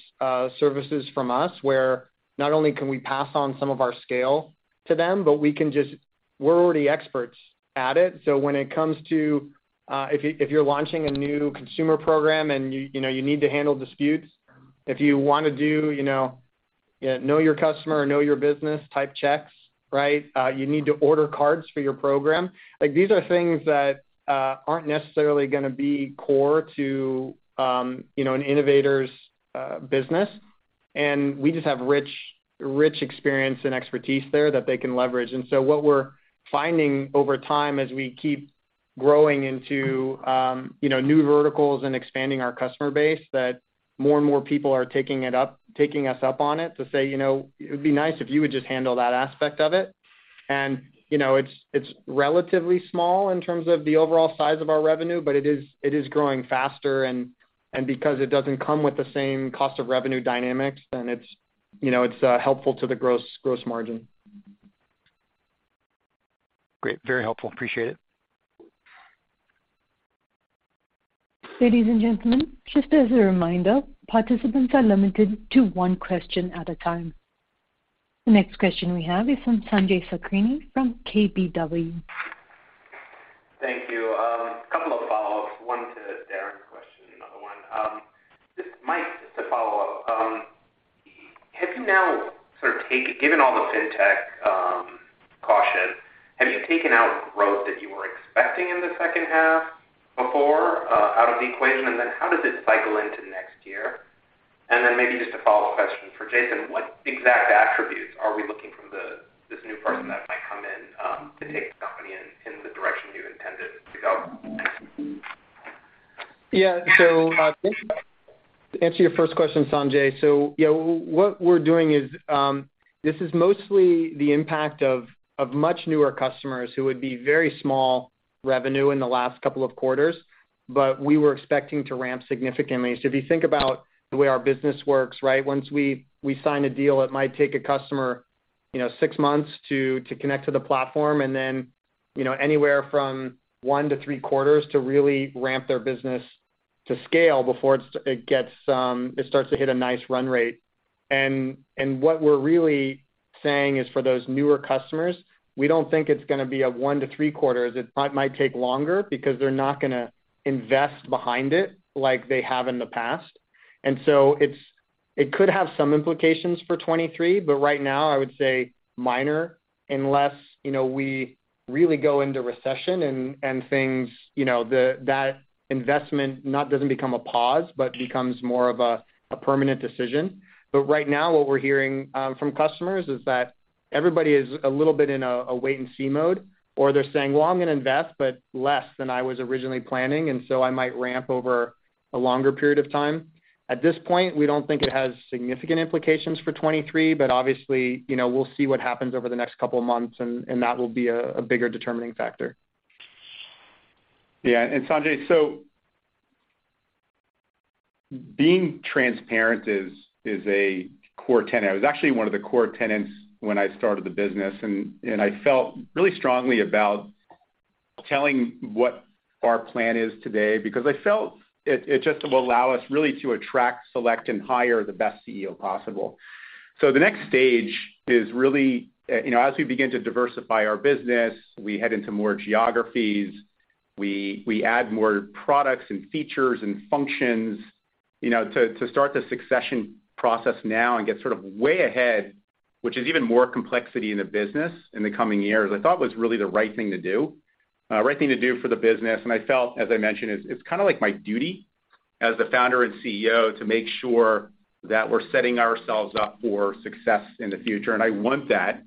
services from us, where not only can we pass on some of our scale to them, but we can just. We're already experts at it, so when it comes to if you're launching a new consumer program and you know you need to handle disputes, if you wanna do you know know your customer or know your business type checks, right? You need to order cards for your program. Like, these are things that aren't necessarily gonna be core to you know an innovator's business, and we just have rich experience and expertise there that they can leverage. So what we're finding over time as we keep growing into you know new verticals and expanding our customer base, that more and more people are taking us up on it to say, "You know, it would be nice if you would just handle that aspect of it." You know, it's relatively small in terms of the overall size of our revenue, but it is growing faster and because it doesn't come with the same cost of revenue dynamics, then it's you know it's helpful to the gross margin. Great. Very helpful. Appreciate it. Ladies and gentlemen, just as a reminder, participants are limited to one question at a time. The next question we have is from Sanjay Sakhrani from KBW. Thank you. A couple of follow-ups. One to Darrin's question, another one. Just Mike, just to follow up, given all the fintech caution, have you taken out growth that you were expecting in the second half before out of the equation? How does it cycle into next year? Maybe just a follow-up question for Jason, what exact attributes are we looking from this new person that might come in to take the company in the direction you intended to go? To answer your first question, Sanjay, what we're doing is this is mostly the impact of much newer customers who would be very small revenue in the last couple of quarters, but we were expecting to ramp significantly. If you think about the way our business works, right? Once we sign a deal, it might take a customer, you know, six months to connect to the platform and then, you know, anywhere from one to three quarters to really ramp their business to scale before it starts to hit a nice run rate. What we're really saying is for those newer customers, we don't think it's gonna be a one to three quarters. It might take longer because they're not gonna invest behind it like they have in the past. It could have some implications for 2023, but right now I would say minor unless, you know, we really go into recession and things, you know, that investment doesn't become a pause, but becomes more of a permanent decision. Right now what we're hearing from customers is that everybody is a little bit in a wait and see mode, or they're saying, "Well, I'm gonna invest, but less than I was originally planning, and so I might ramp over a longer period of time." At this point, we don't think it has significant implications for 2023, but obviously, you know, we'll see what happens over the next couple of months and that will be a bigger determining factor. Yeah. Sanjay, so being transparent is a core tenet. It was actually one of the core tenets when I started the business and I felt really strongly about telling what our plan is today because I felt it just will allow us really to attract, select and hire the best CEO possible. The next stage is really, you know, as we begin to diversify our business, we head into more geographies, we add more products and features and functions, you know, to start the succession process now and get sort of way ahead, which is even more complexity in the business in the coming years, I thought was really the right thing to do for the business. I felt, as I mentioned, it's kind of like my duty as the founder and CEO to make sure that we're setting ourselves up for success in the future. I want that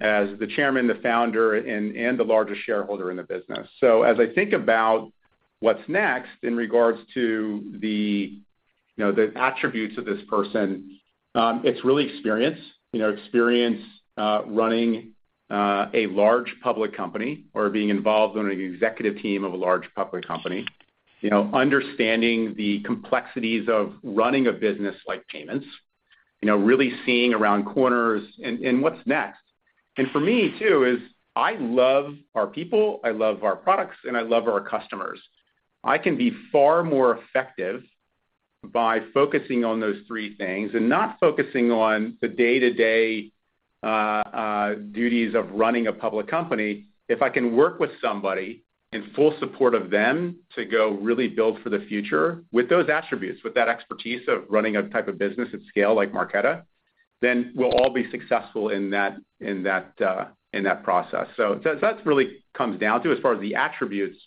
as the chairman, the founder and the largest shareholder in the business. I think about what's next in regards to the, you know, the attributes of this person, it's really experience. You know, experience running a large public company or being involved on an executive team of a large public company. You know, understanding the complexities of running a business like payments. You know, really seeing around corners and what's next. For me too is I love our people, I love our products, and I love our customers. I can be far more effective by focusing on those three things and not focusing on the day-to-day duties of running a public company. If I can work with somebody in full support of them to go really build for the future with those attributes, with that expertise of running a type of business at scale like Marqeta, then we'll all be successful in that process. That that's really comes down to as far as the attributes,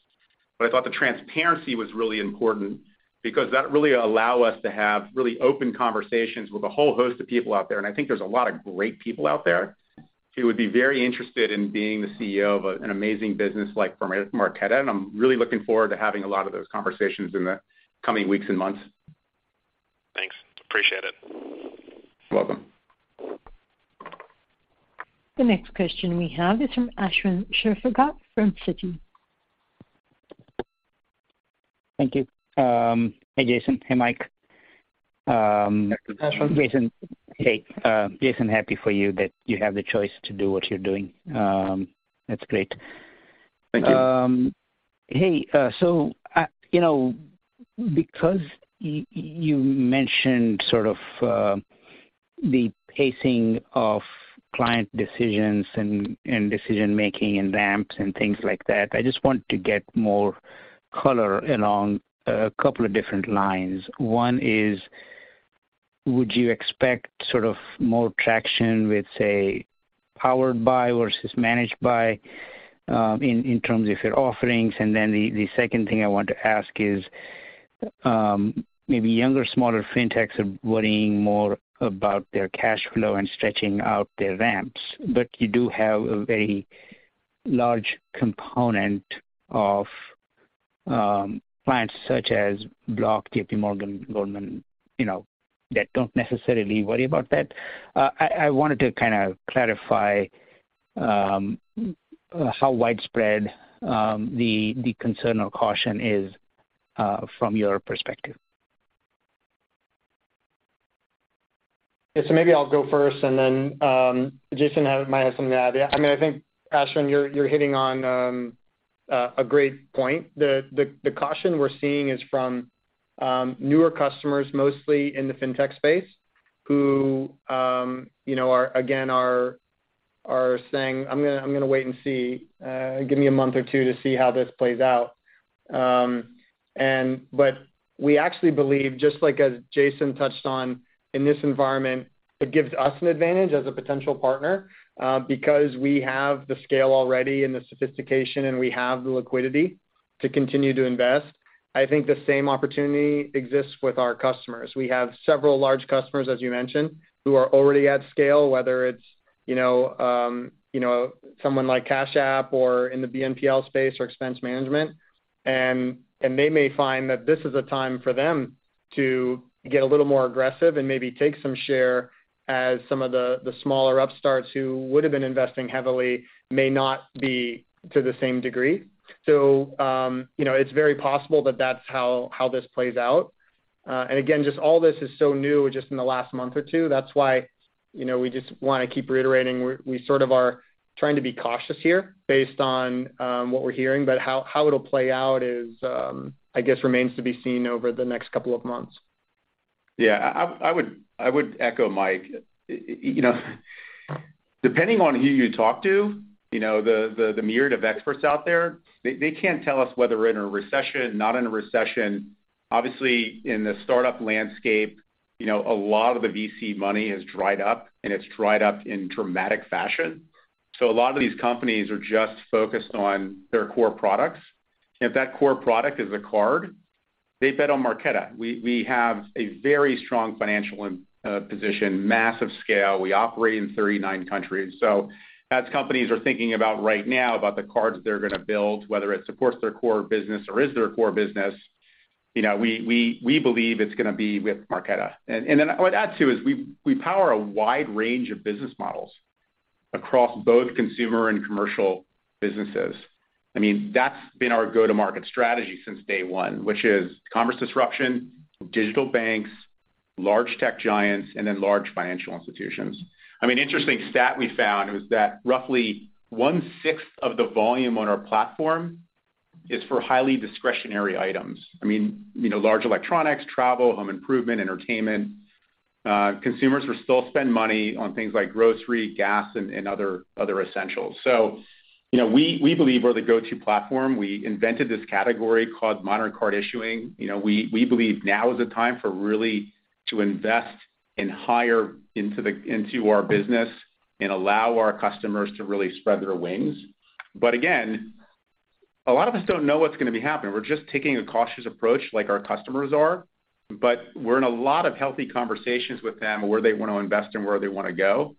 but I thought the transparency was really important because that really allow us to have really open conversations with a whole host of people out there. I think there's a lot of great people out there who would be very interested in being the CEO of an amazing business like Marqeta. I'm really looking forward to having a lot of those conversations in the coming weeks and months. Thanks. Appreciate it. You're welcome. The next question we have is from Ashwin Shirvaikar from Citi. Thank you. Hey, Jason. Hey, Mike. Hi, Ashwin. Jason. Hey, Jason, happy for you that you have the choice to do what you're doing. That's great. Thank you. Hey, so you know, because you mentioned sort of the pacing of client decisions and decision-making and ramps and things like that, I just want to get more color along a couple of different lines. One is, would you expect sort of more traction with, say, powered by versus managed by in terms of your offerings? Then the second thing I want to ask is, maybe younger, smaller fintechs are worrying more about their cash flow and stretching out their ramps, but you do have a very large component of clients such as Block, JPMorgan, Goldman Sachs, you know, that don't necessarily worry about that. I wanted to kind of clarify how widespread the concern or caution is from your perspective. Yes, maybe I'll go first, and then Jason might have something to add. Yeah, I mean, I think, Ashwin, you're hitting on a great point. The caution we're seeing is from newer customers, mostly in the fintech space, who, you know, are saying, "I'm gonna wait and see, give me a month or two to see how this plays out." But we actually believe, just like as Jason touched on, in this environment, it gives us an advantage as a potential partner, because we have the scale already and the sophistication, and we have the liquidity to continue to invest. I think the same opportunity exists with our customers. We have several large customers, as you mentioned, who are already at scale, whether it's you know you know someone like Cash App or in the BNPL space or expense management. They may find that this is a time for them to get a little more aggressive and maybe take some share as some of the smaller upstarts who would have been investing heavily may not be to the same degree. You know, it's very possible that that's how this plays out. Again, just all this is so new, just in the last month or two. That's why, you know, we just wanna keep reiterating we sort of are trying to be cautious here based on what we're hearing. How it'll play out is, I guess, remains to be seen over the next couple of months. I would echo Mike. You know, depending on who you talk to, you know, the myriad of experts out there, they can't tell us whether we're in a recession, not in a recession. Obviously, in the startup landscape, you know, a lot of the VC money has dried up, and it's dried up in dramatic fashion. A lot of these companies are just focused on their core products. And if that core product is a card, they bet on Marqeta. We have a very strong financial position, massive scale. We operate in 39 countries. As companies are thinking right now about the cards they're gonna build, whether it supports their core business or is their core business, you know, we believe it's gonna be with Marqeta. Then I would add, too, is we power a wide range of business models across both consumer and commercial businesses. I mean, that's been our go-to-market strategy since day one, which is commerce disruption, digital banks, large tech giants, and then large financial institutions. I mean, interesting stat we found was that roughly 1/6 of the volume on our platform is for highly discretionary items. I mean, you know, large electronics, travel, home improvement, entertainment. Consumers will still spend money on things like grocery, gas, and other essentials. You know, we believe we're the go-to platform. We invented this category called modern card issuing. You know, we believe now is the time to really invest and hire into our business and allow our customers to really spread their wings. Again, a lot of us don't know what's gonna be happening. We're just taking a cautious approach like our customers are, but we're in a lot of healthy conversations with them where they wanna invest and where they wanna go.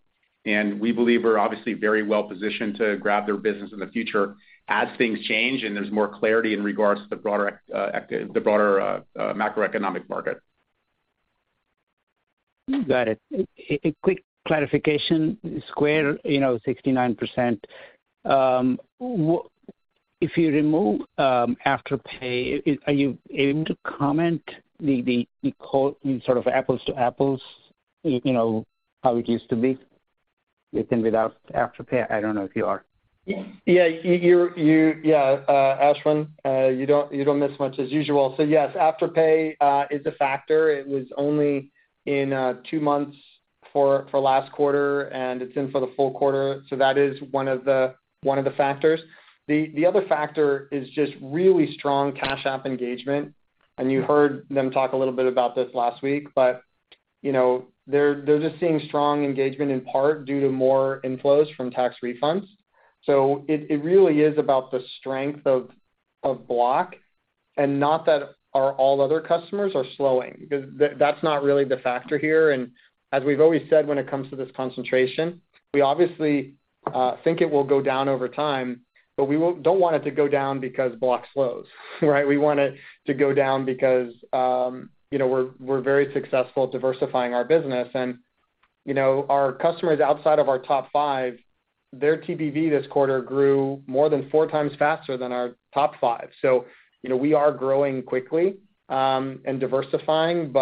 We believe we're obviously very well-positioned to grab their business in the future as things change and there's more clarity in regards to the broader macroeconomic market. Got it. A quick clarification. Square, you know, 69%. If you remove Afterpay, are you able to comment on the sort of apples to apples, you know, how it used to be with and without Afterpay? I don't know if you are. Yeah, Ashwin, you don't miss much as usual. Yes, Afterpay is a factor. It was only in two months for last quarter, and it's in for the full quarter. That is one of the factors. The other factor is just really strong Cash App engagement, and you heard them talk a little bit about this last week. You know, they're just seeing strong engagement in part due to more inflows from tax refunds. It really is about the strength of Block and not that all our other customers are slowing. That's not really the factor here. As we've always said when it comes to this concentration, we obviously think it will go down over time, but we don't want it to go down because Block slows, right? We want it to go down because, you know, we're very successful at diversifying our business. You know, our customers outside of our top five, their TPV this quarter grew more than four times faster than our top five. You know, we are growing quickly and diversifying.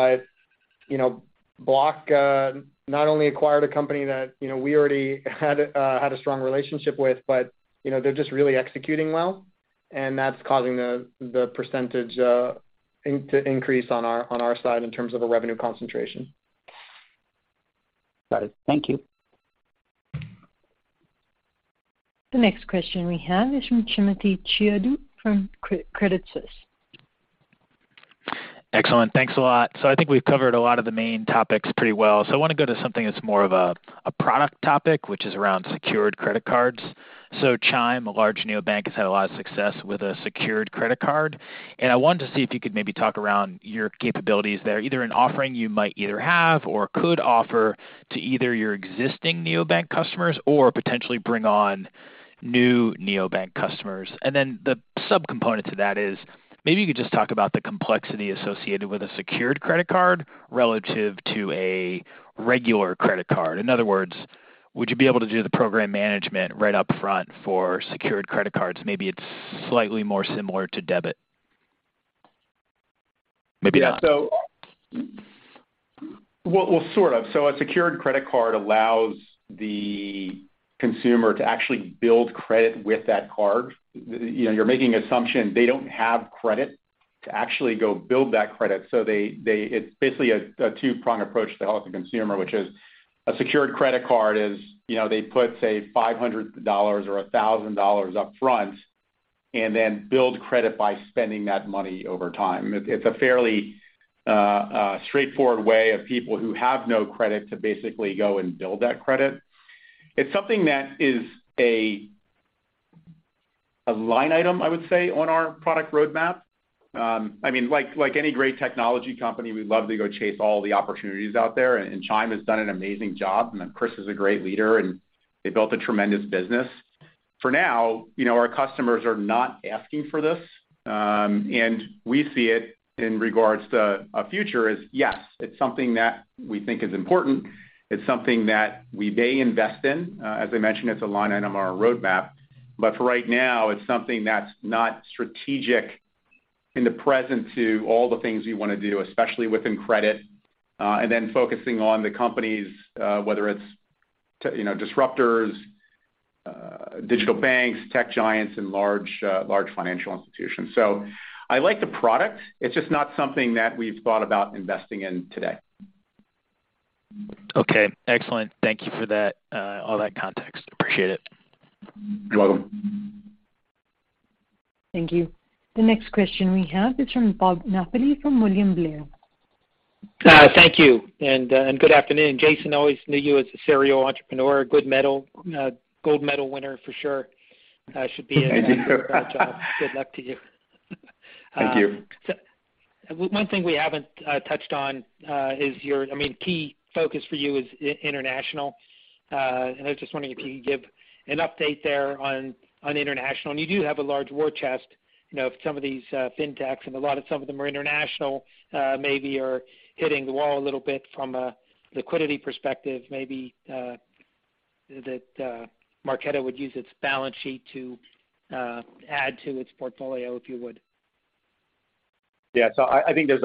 You know, Block not only acquired a company that, you know, we already had a strong relationship with, but, you know, they're just really executing well, and that's causing the percentage to increase on our side in terms of a revenue concentration. Got it. Thank you. The next question we have is from Timothy Chiodo from Credit Suisse. Excellent. Thanks a lot. I think we've covered a lot of the main topics pretty well. I wanna go to something that's more of a product topic, which is around secured credit cards. Chime, a large neobank, has had a lot of success with a secured credit card, and I wanted to see if you could maybe talk around your capabilities there, either an offering you might either have or could offer to either your existing neobank customers or potentially bring on new neobank customers. Then the subcomponent to that is, maybe you could just talk about the complexity associated with a secured credit card relative to a regular credit card. In other words, would you be able to do the program management right up front for secured credit cards? Maybe it's slightly more similar to debit. Maybe not so. Well, sort of. A secured credit card allows the consumer to actually build credit with that card. You know, you're making assumption they don't have credit to actually go build that credit. It's basically a two-prong approach to help the consumer, which is a secured credit card is, you know, they put, say, $500 or $1,000 upfront, and then build credit by spending that money over time. It's a fairly straightforward way of people who have no credit to basically go and build that credit. It's something that is a line item, I would say, on our product roadmap. I mean, like any great technology company, we'd love to go chase all the opportunities out there, and Chime has done an amazing job, and then Chris is a great leader, and they built a tremendous business. For now, you know, our customers are not asking for this, and we see it in regards to a future as, yes, it's something that we think is important. It's something that we may invest in. As I mentioned, it's a line item on our roadmap. But for right now, it's something that's not strategic in the present to all the things we wanna do, especially within credit, and then focusing on the companies, whether it's, you know, disruptors, digital banks, tech giants, and large financial institutions. I like the product. It's just not something that we've thought about investing in today. Okay, excellent. Thank you for that, all that context. Appreciate it. You're welcome. Thank you. The next question we have is from Bob Napoli from William Blair. Thank you and good afternoon. Jason, always knew you as a serial entrepreneur, a gold medal winner for sure. Good luck to you. Thank you. One thing we haven't touched on is your I mean, key focus for you is international. I was just wondering if you could give an update there on international. You do have a large war chest, you know, if some of these fintechs, and a lot of some of them are international, maybe are hitting the wall a little bit from a liquidity perspective, maybe that Marqeta would use its balance sheet to add to its portfolio, if you would. I think there's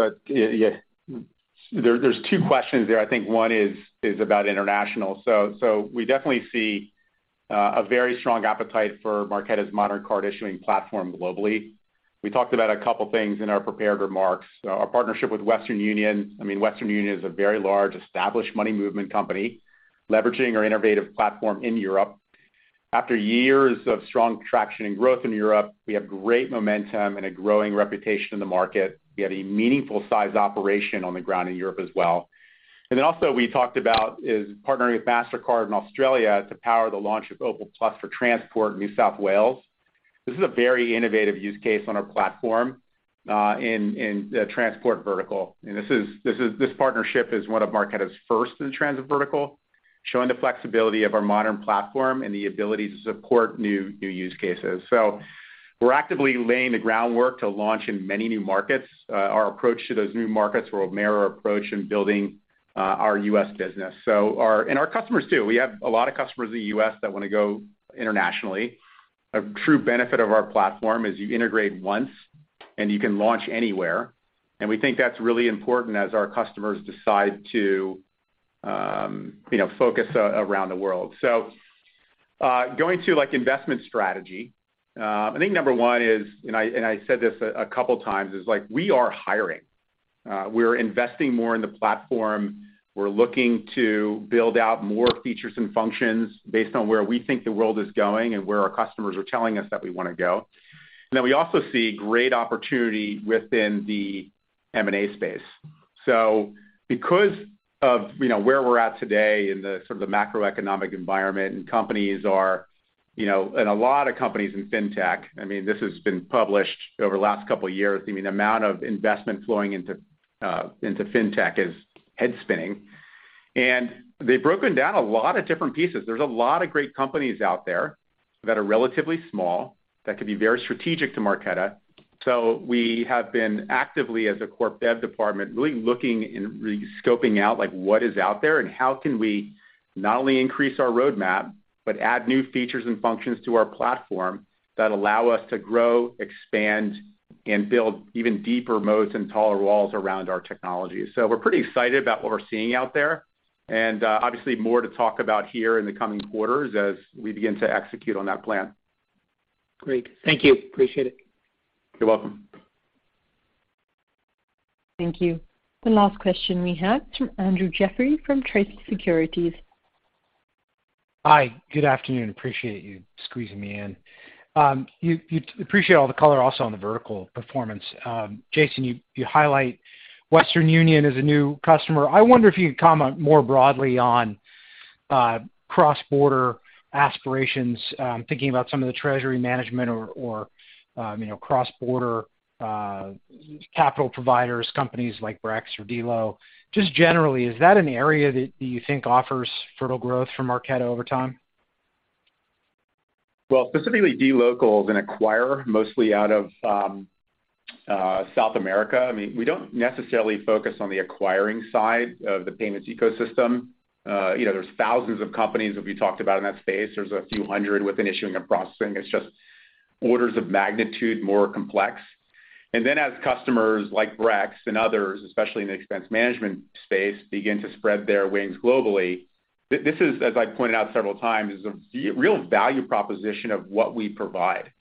two questions there. I think one is about international. We definitely see a very strong appetite for Marqeta's modern card issuing platform globally. We talked about a couple things in our prepared remarks. Our partnership with Western Union. I mean, Western Union is a very large established money movement company, leveraging our innovative platform in Europe. After years of strong traction and growth in Europe, we have great momentum and a growing reputation in the market. We have a meaningful size operation on the ground in Europe as well. Then also we talked about partnering with Mastercard in Australia to power the launch of Opal+ for transport in New South Wales. This is a very innovative use case on our platform in the transport vertical. This partnership is one of Marqeta's first in the transit vertical, showing the flexibility of our modern platform and the ability to support new use cases. We're actively laying the groundwork to launch in many new markets. Our approach to those new markets were a mirror approach in building our U.S. business. Our customers too. We have a lot of customers in the U.S. that wanna go internationally. A true benefit of our platform is you integrate once, and you can launch anywhere. We think that's really important as our customers decide to, you know, focus around the world. Going to, like, investment strategy, I think number one is, and I said this a couple times, is like we are hiring. We're investing more in the platform. We're looking to build out more features and functions based on where we think the world is going and where our customers are telling us that we wanna go. We also see great opportunity within the M&A space. Because of, you know, where we're at today in the sort of the macroeconomic environment, and companies are, you know, and a lot of companies in fintech, I mean, this has been published over the last couple of years. I mean, the amount of investment flowing into into fintech is head-spinning. They've broken down a lot of different pieces. There's a lot of great companies out there that are relatively small that could be very strategic to Marqeta. We have been actively, as a corp dev department, really looking and really scoping out, like, what is out there and how can we not only increase our roadmap, but add new features and functions to our platform that allow us to grow, expand, and build even deeper moats and taller walls around our technology. We're pretty excited about what we're seeing out there. Obviously more to talk about here in the coming quarters as we begin to execute on that plan. Great. Thank you. Appreciate it. You're welcome. Thank you. The last question we have from Andrew Jeffrey from Truist Securities. Hi, good afternoon. I appreciate you squeezing me in. I appreciate all the color also on the vertical performance. Jason, you highlight Western Union as a new customer. I wonder if you'd comment more broadly on cross-border aspirations, thinking about some of the treasury management or you know, cross-border capital providers, companies like Brex or dLocal. Just generally, is that an area that you think offers fertile growth for Marqeta over time? Well, specifically, dLocal is an acquirer mostly out of South America. I mean, we don't necessarily focus on the acquiring side of the payments ecosystem. You know, there's thousands of companies that we talked about in that space. There's a few hundred within issuing and processing. It's just orders of magnitude more complex. As customers like Brex and others, especially in the expense management space, begin to spread their wings globally, this is, as I pointed out several times, a real value proposition of what we provide.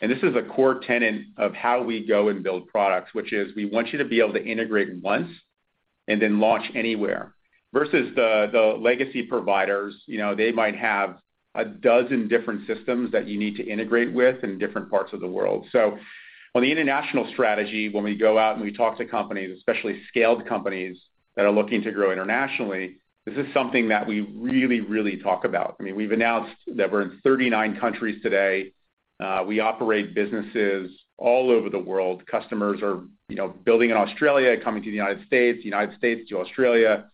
This is a core tenet of how we go and build products, which is we want you to be able to integrate once and then launch anywhere versus the legacy providers. You know, they might have a dozen different systems that you need to integrate with in different parts of the world. On the international strategy, when we go out and we talk to companies, especially scaled companies that are looking to grow internationally, this is something that we really, really talk about. I mean, we've announced that we're in 39 countries today. We operate businesses all over the world. Customers are, you know, building in Australia, coming to the United States, United States to Australia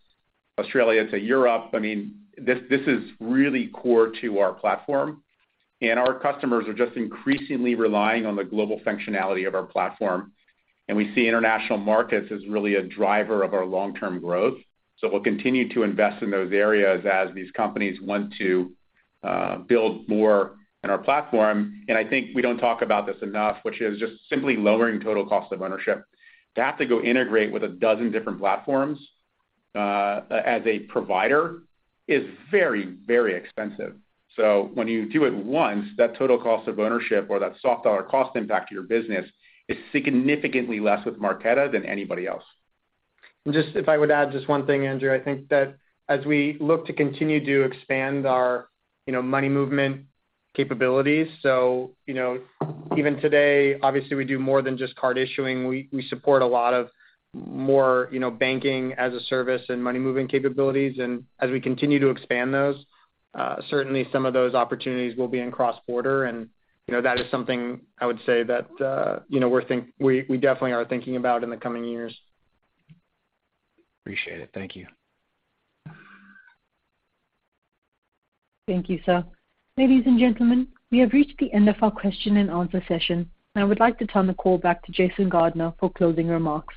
to Europe. I mean, this is really core to our platform, and our customers are just increasingly relying on the global functionality of our platform. We see international markets as really a driver of our long-term growth. We'll continue to invest in those areas as these companies want to build more in our platform. I think we don't talk about this enough, which is just simply lowering total cost of ownership. To have to go integrate with a dozen different platforms, as a provider is very, very expensive. When you do it once, that total cost of ownership or that soft dollar cost impact to your business is significantly less with Marqeta than anybody else. Just if I would add just one thing, Andrew, I think that as we look to continue to expand our, you know, money movement capabilities, so, you know, even today, obviously, we do more than just card issuing. We support a lot of more, you know, Banking-as-a-Service and money-moving capabilities. As we continue to expand those, certainly some of those opportunities will be in cross-border. You know, that is something I would say that, you know, we definitely are thinking about in the coming years. Appreciate it. Thank you. Thank you, sir. Ladies and gentlemen, we have reached the end of our question-and-answer session, and I would like to turn the call back to Jason Gardner for closing remarks.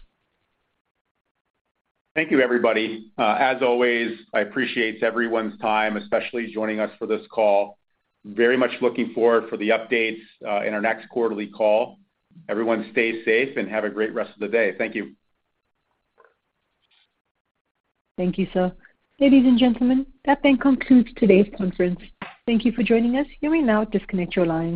Thank you, everybody. As always, I appreciate everyone's time, especially joining us for this call. Very much looking forward for the updates in our next quarterly call. Everyone stay safe and have a great rest of the day. Thank you. Thank you, sir. Ladies and gentlemen, that then concludes today's conference. Thank you for joining us. You may now disconnect your lines.